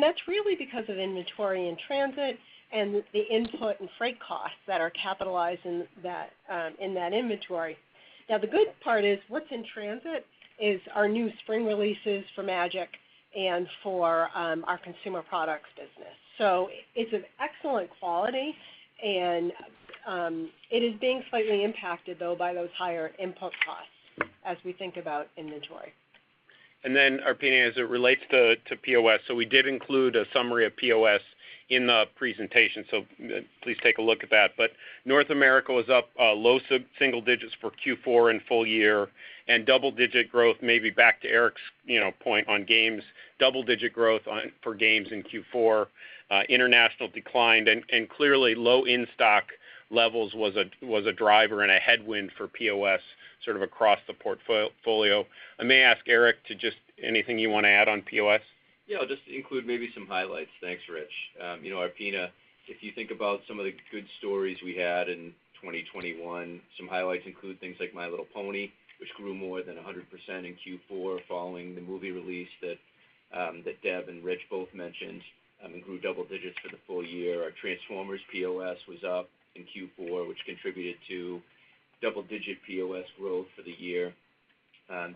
That's really because of inventory in transit and the input and freight costs that are capitalized in that, in that inventory. Now, the good part is what's in transit is our new spring releases for Magic and for, our consumer products business. It's an excellent quality, and, it is being slightly impacted though by those higher input costs as we think about inventory. Arpine, as it relates to POS, we did include a summary of POS in the presentation, so please take a look at that. North America was up low single digits for Q4 and full year, and double digit growth, maybe back to Eric's, you know, point on games, double digit growth for games in Q4. International declined, and clearly low in-stock levels was a driver and a headwind for POS sort of across the portfolio. I may ask Eric anything you wanna add on POS? Yeah. I'll just include maybe some highlights. Thanks, Rich. You know, Arpine, if you think about some of the good stories we had in 2021, some highlights include things like My Little Pony, which grew more than 100% in Q4 following the movie release that that Deb and Rich both mentioned, and grew double digits for the full year. Our Transformers POS was up in Q4, which contributed to double-digit POS growth for the year.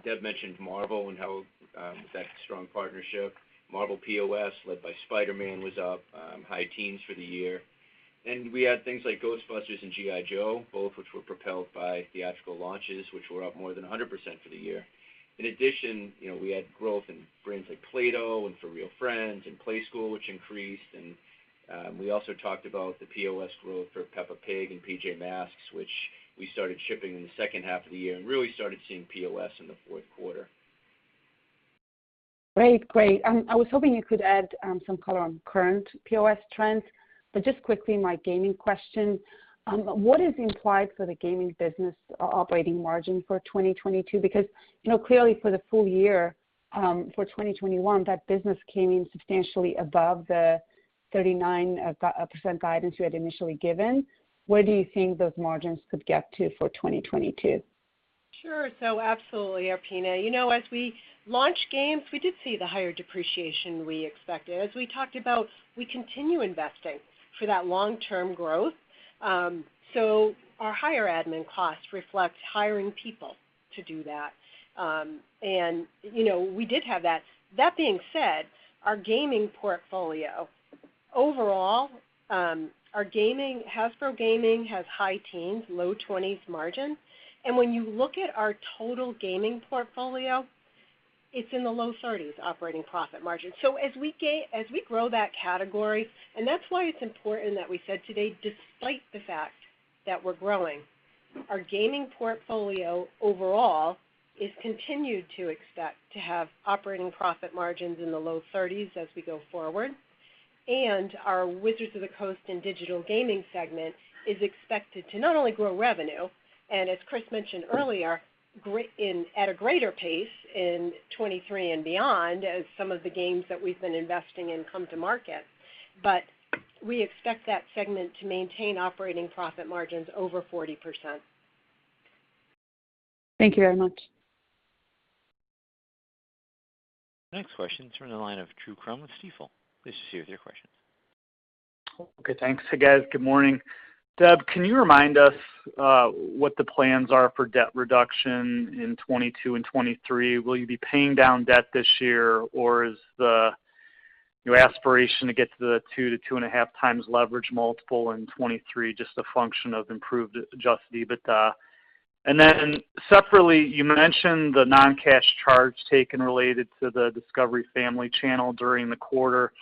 Deb mentioned Marvel and how, with that strong partnership, Marvel POS led by Spider-Man was up high teens for the year. We had things like Ghostbusters and G.I. Joe, both which were propelled by theatrical launches, which were up more than 100% for the year. In addition, you know, we had growth in brands like Play-Doh and FurReal Friends and Playskool, which increased. We also talked about the POS growth for Peppa Pig and PJ Masks, which we started shipping in the second half of the year and really started seeing POS in the fourth quarter. Great. I was hoping you could add some color on current POS trends. Just quickly, my gaming question, what is implied for the gaming business operating margin for 2022? Because, you know, clearly for the full year, for 2021, that business came in substantially above the 39% guidance you had initially given. Where do you think those margins could get to for 2022? Sure. Absolutely, Arpine. You know, as we launch games, we did see the higher depreciation we expected. As we talked about, we continue investing for that long-term growth. Our higher admin costs reflect hiring people to do that. You know, we did have that. That being said, our gaming portfolio overall, Hasbro Gaming has high-teens, low-20s margin. When you look at our total gaming portfolio, it's in the low-30s operating profit margin. As we grow that category, and that's why it's important that we said today, despite the fact that we're growing, we continue to expect our gaming portfolio overall to have operating profit margins in the low-30s as we go forward. Our Wizards of the Coast and Digital Gaming segment is expected to not only grow revenue, and as Chris mentioned earlier, at a greater pace in 2023 and beyond as some of the games that we've been investing in come to market. We expect that segment to maintain operating profit margins over 40%. Thank you very much. Next question is from the line of Drew Crum with Stifel. Please proceed with your question. Okay, thanks. Hey, guys. Good morning. Deb, can you remind us what the plans are for debt reduction in 2022 and 2023? Will you be paying down debt this year, or is your aspiration to get to the 2x-2.5x leverage multiple in 2023 just a function of improved adjusted EBITDA? Separately, you mentioned the non-cash charge taken related to the Discovery Family channel during the quarter.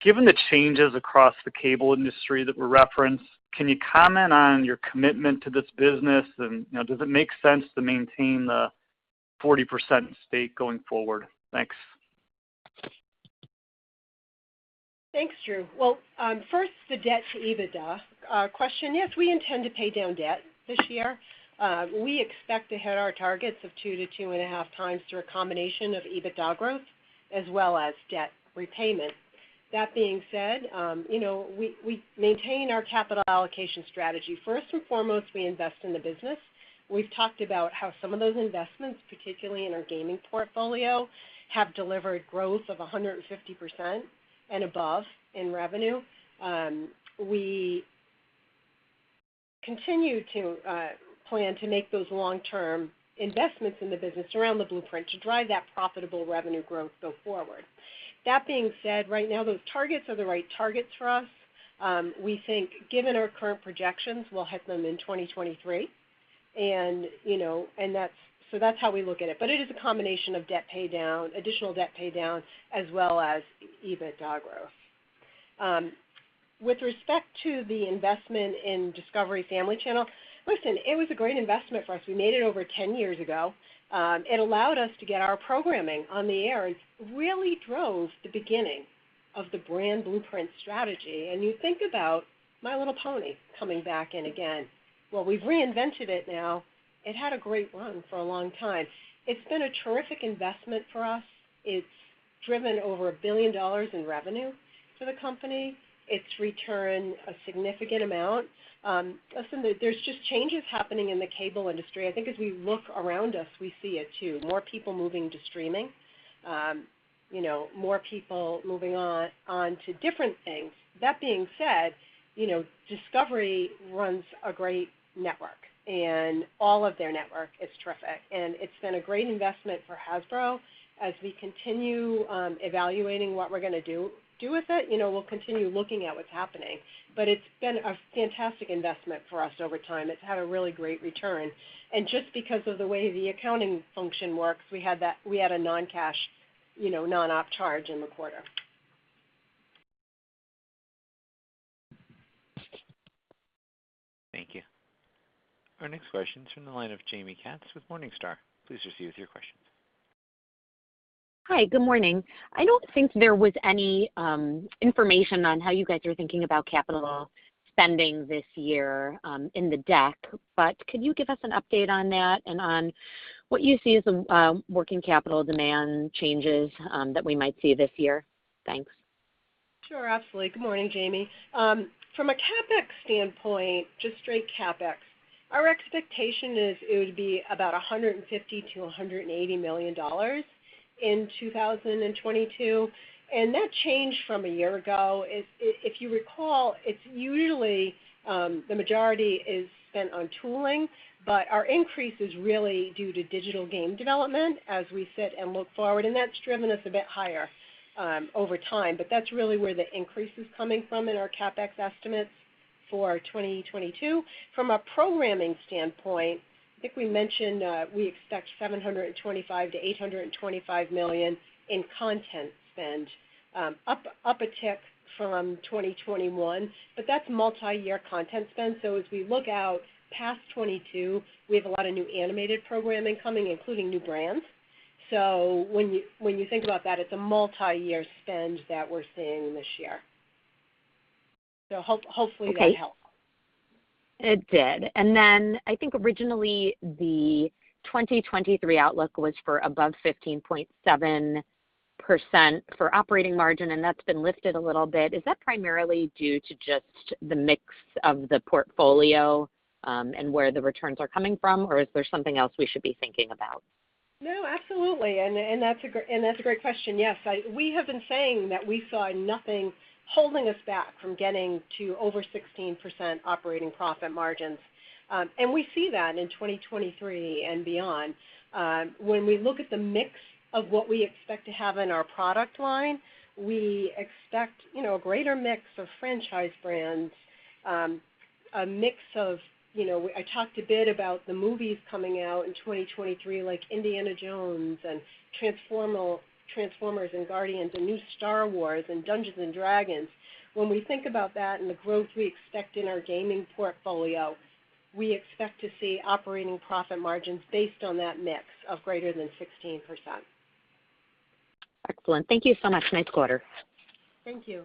Given the changes across the cable industry that were referenced, can you comment on your commitment to this business? You know, does it make sense to maintain the 40% stake going forward? Thanks. Thanks, Drew. Well, first, the debt to EBITDA question. Yes, we intend to pay down debt this year. We expect to hit our targets of 2x-2.5x through a combination of EBITDA growth as well as debt repayment. That being said, you know, we maintain our capital allocation strategy. First and foremost, we invest in the business. We've talked about how some of those investments, particularly in our gaming portfolio, have delivered growth of 150% and above in revenue. We continue to plan to make those long-term investments in the business around the blueprint to drive that profitable revenue growth go forward. That being said, right now, those targets are the right targets for us. We think given our current projections, we'll hit them in 2023, and, you know, that's how we look at it. It is a combination of debt pay down, additional debt pay down, as well as EBITDA growth. With respect to the investment in Discovery Family channel, listen, it was a great investment for us. We made it over 10 years ago. It allowed us to get our programming on the air. It really drove the beginning of the brand blueprint strategy. You think about My Little Pony coming back in again. Well, we've reinvented it now. It had a great run for a long time. It's been a terrific investment for us. It's driven over $1 billion in revenue to the company. It's returned a significant amount. Listen, there's just changes happening in the cable industry. I think as we look around us, we see it too, more people moving to streaming. You know, more people moving on to different things. That being said, you know, Discovery runs a great network, and all of their network is terrific. It's been a great investment for Hasbro. As we continue evaluating what we're gonna do with it, you know, we'll continue looking at what's happening. It's been a fantastic investment for us over time. It's had a really great return. Just because of the way the accounting function works, we had a non-cash, you know, non-op charge in the quarter. Thank you. Our next question is from the line of Jaime Katz with Morningstar. Please proceed with your questions. Hi, good morning. I don't think there was any information on how you guys are thinking about capital spending this year in the deck, but could you give us an update on that and on what you see as working capital demand changes that we might see this year? Thanks. Sure, absolutely. Good morning, Jaime. From a CapEx standpoint, just straight CapEx, our expectation is it would be about $150 million-$180 million in 2022, and that changed from a year ago. If you recall, it's usually the majority is spent on tooling, but our increase is really due to digital game development as we sit and look forward, and that's driven us a bit higher over time. But that's really where the increase is coming from in our CapEx estimates for 2022. From a programming standpoint, I think we mentioned we expect $725 million-$825 million in content spend, up a tick from 2021, but that's multiyear content spend. As we look out past 2022, we have a lot of new animated programming coming, including new brands. When you think about that, it's a multiyear spend that we're seeing this year. Hopefully that helps. Okay. It did. I think originally the 2023 outlook was for above 15.7% for operating margin, and that's been lifted a little bit. Is that primarily due to just the mix of the portfolio, and where the returns are coming from, or is there something else we should be thinking about? No, absolutely, and that's a great question. Yes. We have been saying that we saw nothing holding us back from getting to over 16% operating profit margins, and we see that in 2023 and beyond. When we look at the mix of what we expect to have in our product line, we expect a greater mix of franchise brands, a mix of, you know, I talked a bit about the movies coming out in 2023, like Indiana Jones and Transformers and Guardians and new Star Wars and Dungeons & Dragons. When we think about that and the growth we expect in our gaming portfolio, we expect to see operating profit margins based on that mix of greater than 16%. Excellent. Thank you so much. Nice quarter. Thank you.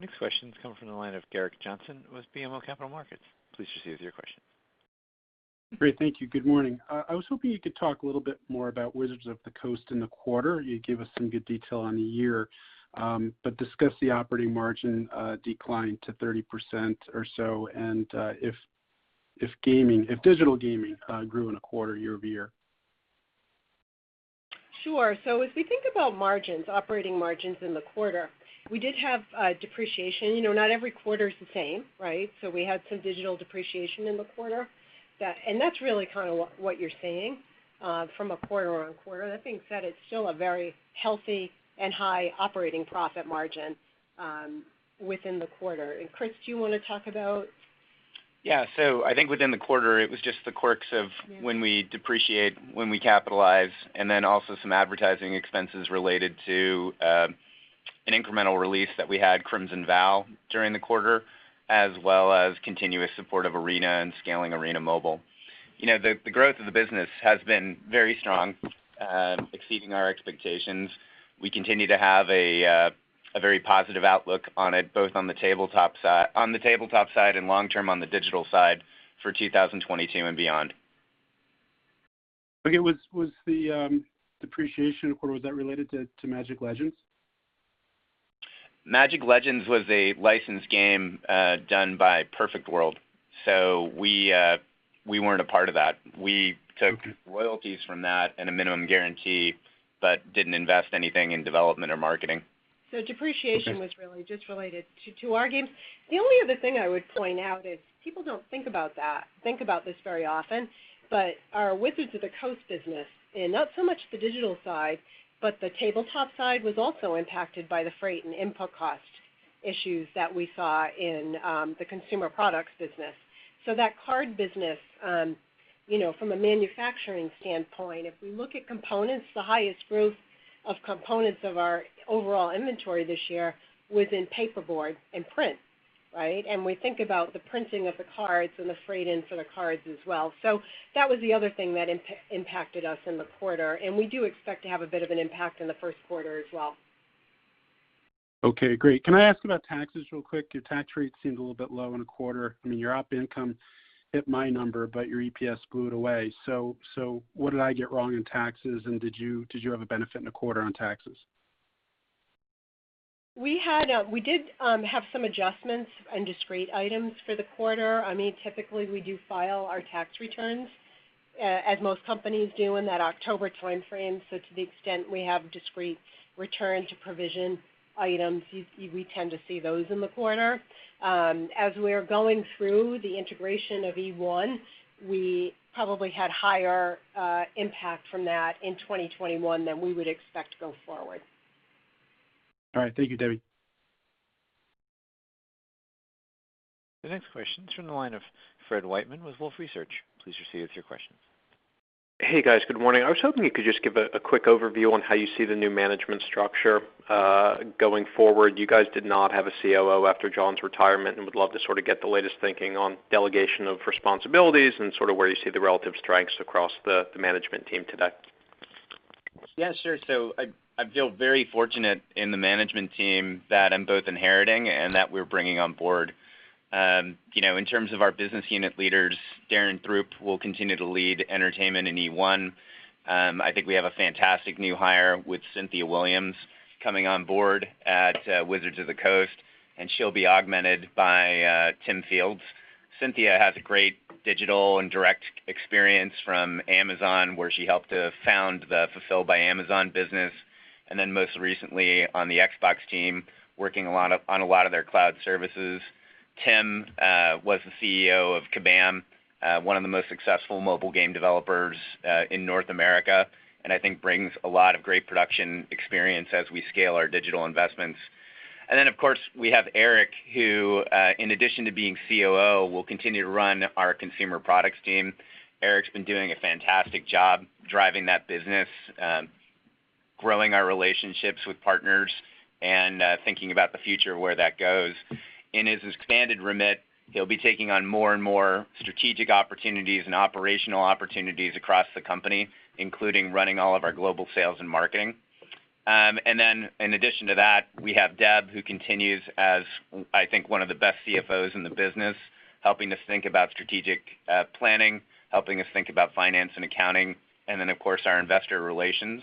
Next question's coming from the line of Gerrick Johnson with BMO Capital Markets. Please proceed with your question. Great. Thank you. Good morning. I was hoping you could talk a little bit more about Wizards of the Coast in the quarter. You gave us some good detail on the year, but discuss the operating margin decline to 30% or so, and if digital gaming grew in the quarter year-over-year. Sure. As we think about margins, operating margins in the quarter, we did have depreciation. You know, not every quarter is the same, right? We had some digital depreciation in the quarter that and that's really kinda what you're seeing from a quarter-over-quarter. That being said, it's still a very healthy and high operating profit margin within the quarter. Chris, do you wanna talk about. Yeah. I think within the quarter, it was just the quirks of when we depreciate, when we capitalize, and then also some advertising expenses related to an incremental release that we had Crimson Vow during the quarter, as well as continuous support of Arena and scaling Arena Mobile. The growth of the business has been very strong, exceeding our expectations. We continue to have a very positive outlook on it, both on the tabletop side and long term on the digital side for 2022 and beyond. Okay. Was the depreciation in the quarter related to Magic: Legends? Magic: Legends was a licensed game done by Perfect World. We weren't a part of that. We took royalties from that and a minimum guarantee, but didn't invest anything in development or marketing. Depreciation was really just related to our games. The only other thing I would point out is people don't think about this very often, but our Wizards of the Coast business, and not so much the digital side, but the tabletop side was also impacted by the freight and input cost issues that we saw in the consumer products business. That card business, you know, from a manufacturing standpoint, if we look at components, the highest growth of components of our overall inventory this year was in paper board and print, right? We think about the printing of the cards and the freight in for the cards as well. That was the other thing that impacted us in the quarter, and we do expect to have a bit of an impact in the first quarter as well. Okay, great. Can I ask about taxes real quick? Your tax rate seems a little bit low in the quarter. I mean, your op income hit my number, but your EPS blew it away. What did I get wrong in taxes, and did you have a benefit in the quarter on taxes? We had some adjustments and discrete items for the quarter. I mean, typically, we do file our tax returns, as most companies do in that October timeframe. To the extent we have discrete return to provision items, we tend to see those in the quarter. As we are going through the integration of eOne, we probably had higher impact from that in 2021 than we would expect to go forward. All right. Thank you, Debbie. The next question is from the line of Fred Wightman with Wolfe Research. Please proceed with your questions. Hey, guys. Good morning. I was hoping you could just give a quick overview on how you see the new management structure going forward. You guys did not have a COO after John's retirement, and would love to sort of get the latest thinking on delegation of responsibilities and sort of where you see the relative strengths across the management team today. Yeah, sure. I feel very fortunate in the management team that I'm both inheriting and that we're bringing on board. You know, in terms of our business unit leaders, Darren Throop will continue to lead entertainment in eOne. I think we have a fantastic new hire with Cynthia Williams coming on board at Wizards of the Coast, and she'll be augmented by Tim Fields. Cynthia has great digital and direct experience from Amazon, where she helped to found the Fulfillment by Amazon business, and then most recently on the Xbox team, working on a lot of their cloud services. Tim was the CEO of Kabam, one of the most successful mobile game developers in North America, and I think brings a lot of great production experience as we scale our digital investments. Of course, we have Eric, who, in addition to being COO, will continue to run our consumer products team. Eric's been doing a fantastic job driving that business, growing our relationships with partners and, thinking about the future of where that goes. In his expanded remit, he'll be taking on more and more strategic opportunities and operational opportunities across the company, including running all of our global sales and marketing. In addition to that, we have Deb, who continues as, I think, one of the best CFOs in the business, helping us think about strategic planning, helping us think about finance and accounting, and then, of course, our investor relations.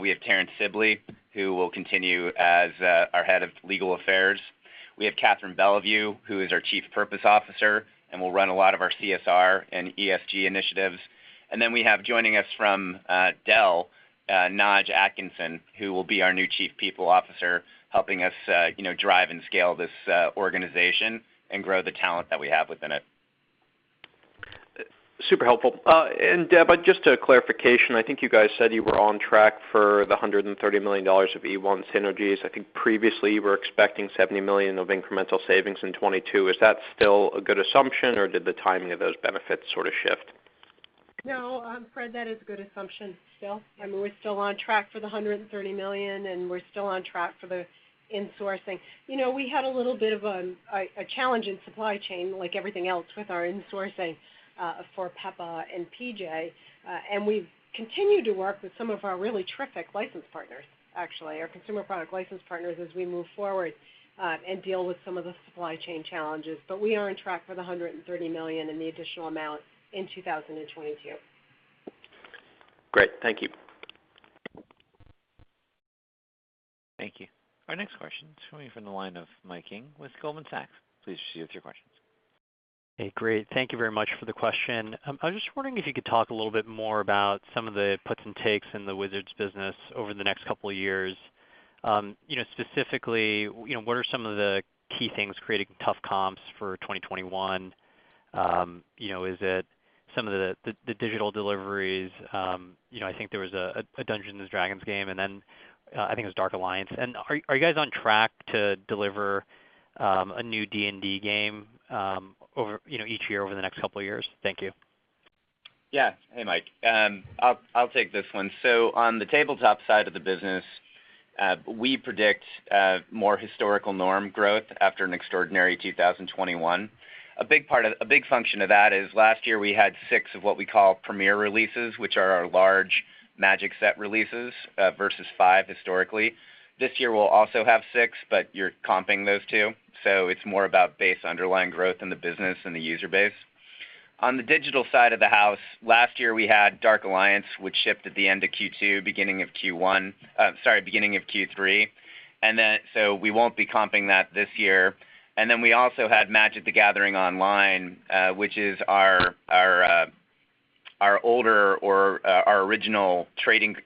We have Tarrant Sibley, who will continue as, our Head of Legal Affairs. We have Kathrin Belliveau, who is our Chief Purpose Officer and will run a lot of our CSR and ESG initiatives. We have joining us from Dell, Naj Atkinson, who will be our new Chief People Officer, helping us, you know, drive and scale this organization and grow the talent that we have within it. Super helpful. Deb, just a clarification. I think you guys said you were on track for the $130 million of eOne synergies. I think previously you were expecting $70 million of incremental savings in 2022. Is that still a good assumption, or did the timing of those benefits sort of shift? No, Fred, that is a good assumption still. I mean, we're still on track for $130 million, and we're still on track for the insourcing. You know, we had a little bit of a challenge in supply chain, like everything else, with our insourcing for Peppa and PJ. We've continued to work with some of our really terrific license partners, actually, our consumer product license partners, as we move forward and deal with some of the supply chain challenges. We are on track for $130 million and the additional amount in 2022. Great. Thank you. Thank you. Our next question is coming from the line of Mike Ng with Goldman Sachs. Please proceed with your questions. Hey, great. Thank you very much for the question. I was just wondering if you could talk a little bit more about some of the puts and takes in the Wizards business over the next couple of years. You know, specifically, you know, what are some of the key things creating tough comps for 2021? You know, is it some of the digital deliveries? You know, I think there was a Dungeons & Dragons game and then I think it was Dark Alliance. Are you guys on track to deliver a new D&D game each year over the next couple of years? Thank you. Hey, Mike. I'll take this one. On the tabletop side of the business, we predict more historical norm growth after an extraordinary 2021. A big function of that is last year we had six of what we call premier releases, which are our large Magic set releases, versus five historically. This year we'll also have six, but you're comping those two, so it's more about base underlying growth in the business than the user base. On the digital side of the house, last year we had Dark Alliance, which shipped at the end of Q2, beginning of Q3. We won't be comping that this year. We also had Magic: The Gathering Online, which is our original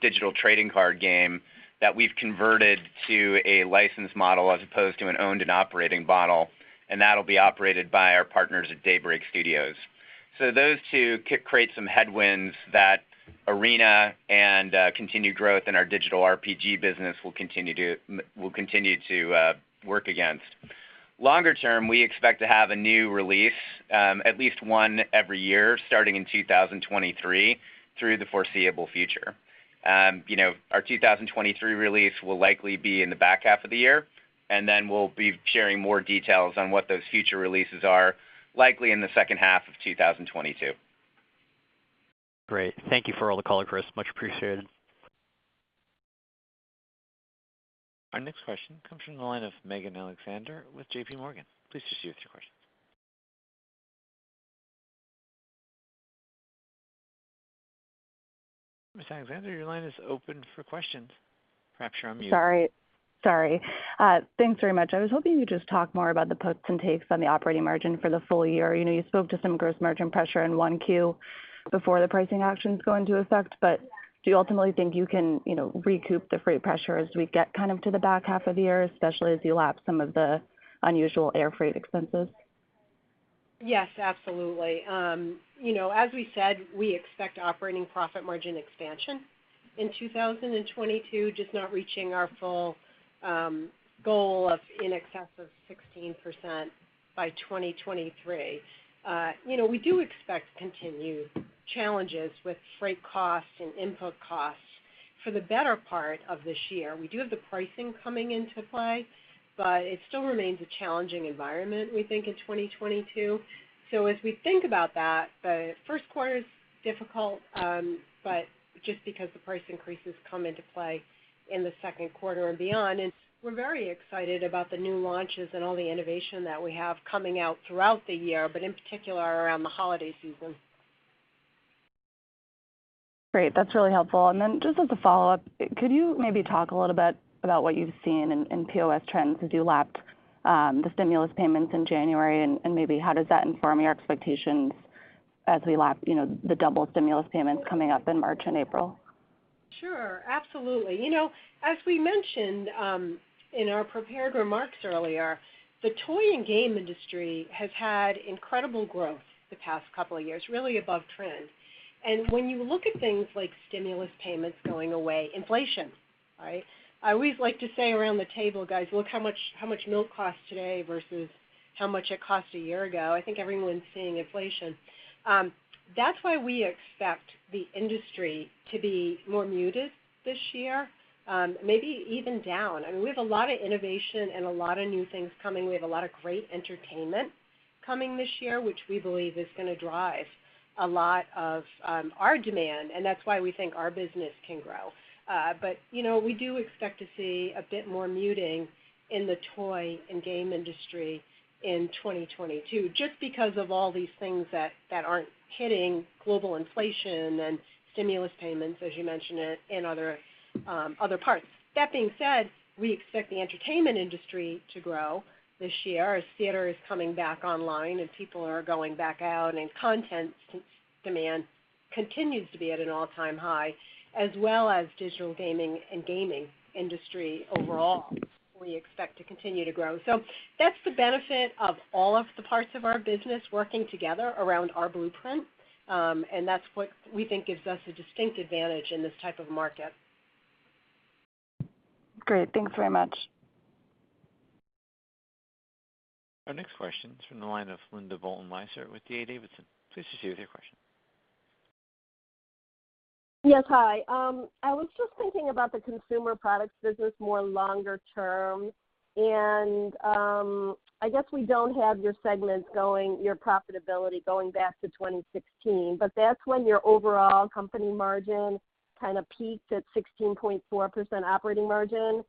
digital trading card game that we've converted to a license model as opposed to an owned and operating model, and that'll be operated by our partners at Daybreak Studios. Those two could create some headwinds that Arena and continued growth in our digital RPG business will continue to work against. Longer term, we expect to have a new release, at least one every year starting in 2023 through the foreseeable future. You know, our 2023 release will likely be in the back half of the year, and then we'll be sharing more details on what those future releases are likely in the second half of 2022. Great. Thank you for all the color, Chris. Much appreciated. Our next question comes from the line of Megan Alexander with JPMorgan. Please proceed with your question. Ms. Alexander, your line is open for questions. Perhaps you're on mute. Sorry. Thanks very much. I was hoping you could just talk more about the puts and takes on the operating margin for the full year. You know, you spoke to some gross margin pressure in 1Q before the pricing actions go into effect, but do you ultimately think you can, you know, recoup the freight pressure as we get kind of to the back half of the year, especially as you lap some of the unusual air freight expenses? Yes, absolutely. You know, as we said, we expect operating profit margin expansion in 2022, just not reaching our full goal of in excess of 16% by 2023. You know, we do expect continued challenges with freight costs and input costs for the better part of this year. We do have the pricing coming into play, but it still remains a challenging environment, we think, in 2022. As we think about that, the first quarter is difficult, but just because the price increases come into play in the second quarter and beyond. We're very excited about the new launches and all the innovation that we have coming out throughout the year, but in particular around the holiday season. Great. That's really helpful. Just as a follow-up, could you maybe talk a little bit about what you've seen in POS trends as you lap the stimulus payments in January? Maybe how does that inform your expectations as we lap, you know, the double stimulus payments coming up in March and April? Sure. Absolutely. You know, as we mentioned in our prepared remarks earlier, the toy and game industry has had incredible growth the past couple of years, really above trend. When you look at things like stimulus payments going away, inflation, right? I always like to say around the table, "Guys, look how much milk costs today versus how much it cost a year ago." I think everyone's seeing inflation. That's why we expect the industry to be more muted this year, maybe even down. I mean, we have a lot of innovation and a lot of new things coming. We have a lot of great entertainment coming this year, which we believe is gonna drive a lot of our demand, and that's why we think our business can grow. You know, we do expect to see a bit more muting in the toy and game industry in 2022 just because of all these things that aren't hitting global inflation and stimulus payments, as you mentioned it in other parts. That being said, we expect the entertainment industry to grow this year as theater is coming back online and people are going back out, and content demand continues to be at an all-time high, as well as digital gaming and gaming industry overall, we expect to continue to grow. That's the benefit of all of the parts of our business working together around our blueprint, and that's what we think gives us a distinct advantage in this type of market. Great. Thanks very much. Our next question is from the line of Linda Bolton Weiser with D.A. Davidson. Please proceed with your question. Yes. Hi. I was just thinking about the consumer products business more longer term. I guess we don't have your segments going, your profitability going back to 2016, but that's when your overall company margin kind of peaked at 16.4% operating margin.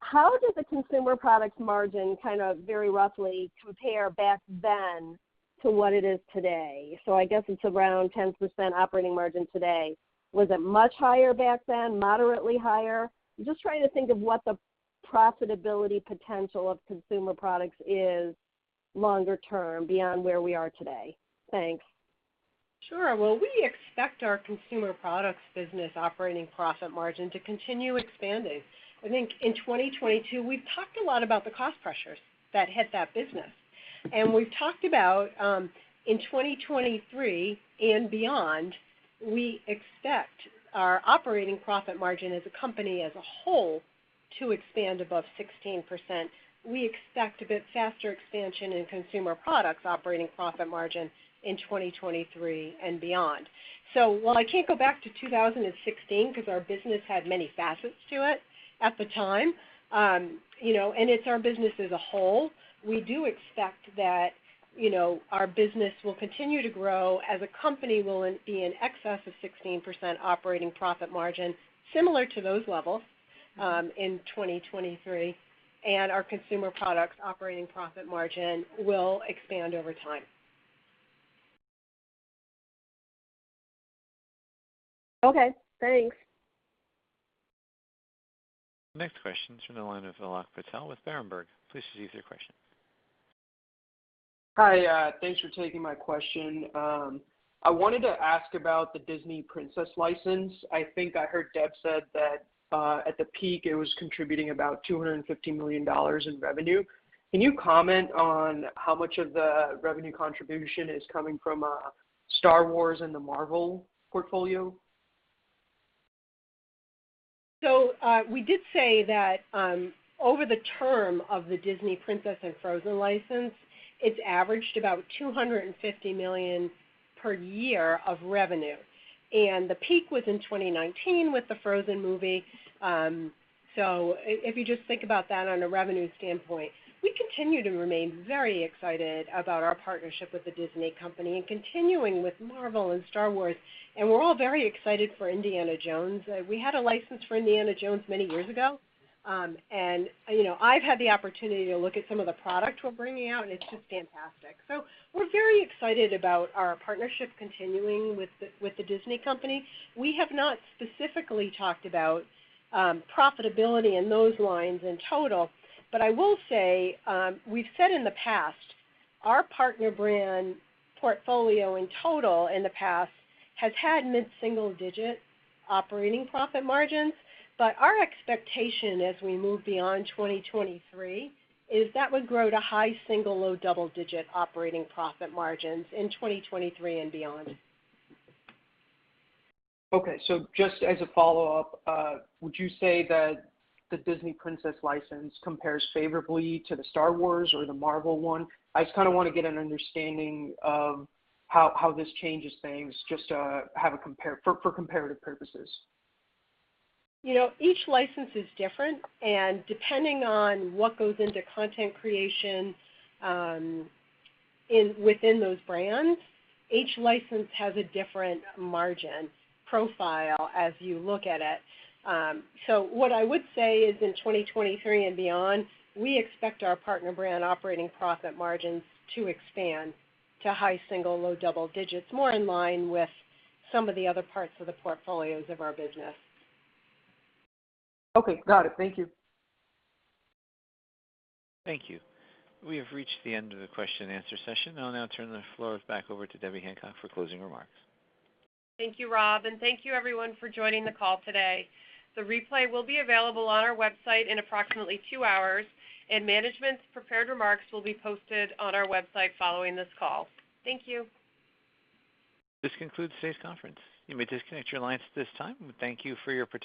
How did the consumer products margin kind of very roughly compare back then to what it is today? I guess it's around 10% operating margin today. Was it much higher back then, moderately higher? I'm just trying to think of what the profitability potential of consumer products is longer term beyond where we are today. Thanks. Sure. Well, we expect our consumer products business operating profit margin to continue expanding. I think in 2022, we've talked a lot about the cost pressures that hit that business. We've talked about in 2023 and beyond, we expect our operating profit margin as a company as a whole to expand above 16%. We expect a bit faster expansion in consumer products operating profit margin in 2023 and beyond. While I can't go back to 2016 because our business had many facets to it at the time, you know, and it's our business as a whole, we do expect that, you know, our business will continue to grow as a company will be in excess of 16% operating profit margin similar to those levels in 2023. Our consumer products operating profit margin will expand over time. Okay, thanks. Next question's from the line of Alok Patel with Berenberg. Please proceed with your question. Hi, thanks for taking my question. I wanted to ask about the Disney Princess license. I think I heard Deb said that at the peak, it was contributing about $250 million in revenue. Can you comment on how much of the revenue contribution is coming from Star Wars and the Marvel portfolio? We did say that over the term of the Disney Princess and Frozen license, it's averaged about $250 million per year of revenue. The peak was in 2019 with the Frozen movie. If you just think about that on a revenue standpoint, we continue to remain very excited about our partnership with the Disney company and continuing with Marvel and Star Wars. We're all very excited for Indiana Jones. We had a license for Indiana Jones many years ago. You know, I've had the opportunity to look at some of the product we're bringing out, and it's just fantastic. We're very excited about our partnership continuing with the Disney company. We have not specifically talked about profitability in those lines in total, but I will say, we've said in the past, our partner brand portfolio in total in the past has had mid-single-digit operating profit margins. Our expectation as we move beyond 2023 is that would grow to high-single, low-double-digit operating profit margins in 2023 and beyond. Okay. Just as a follow-up, would you say that the Disney Princess license compares favorably to the Star Wars or the Marvel one? I just kinda wanna get an understanding of how this changes things just to have a comparison for comparative purposes. You know, each license is different, and depending on what goes into content creation within those brands, each license has a different margin profile as you look at it. What I would say is in 2023 and beyond, we expect our Partner Brands operating profit margins to expand to high single, low double digits, more in line with some of the other parts of the portfolios of our business. Okay. Got it. Thank you. Thank you. We have reached the end of the question and answer session. I'll now turn the floor back over to Debbie Hancock for closing remarks. Thank you, Rob, and thank you everyone for joining the call today. The replay will be available on our website in approximately two hours, and management's prepared remarks will be posted on our website following this call. Thank you. This concludes today's conference. You may disconnect your lines at this time. We thank you for your participation.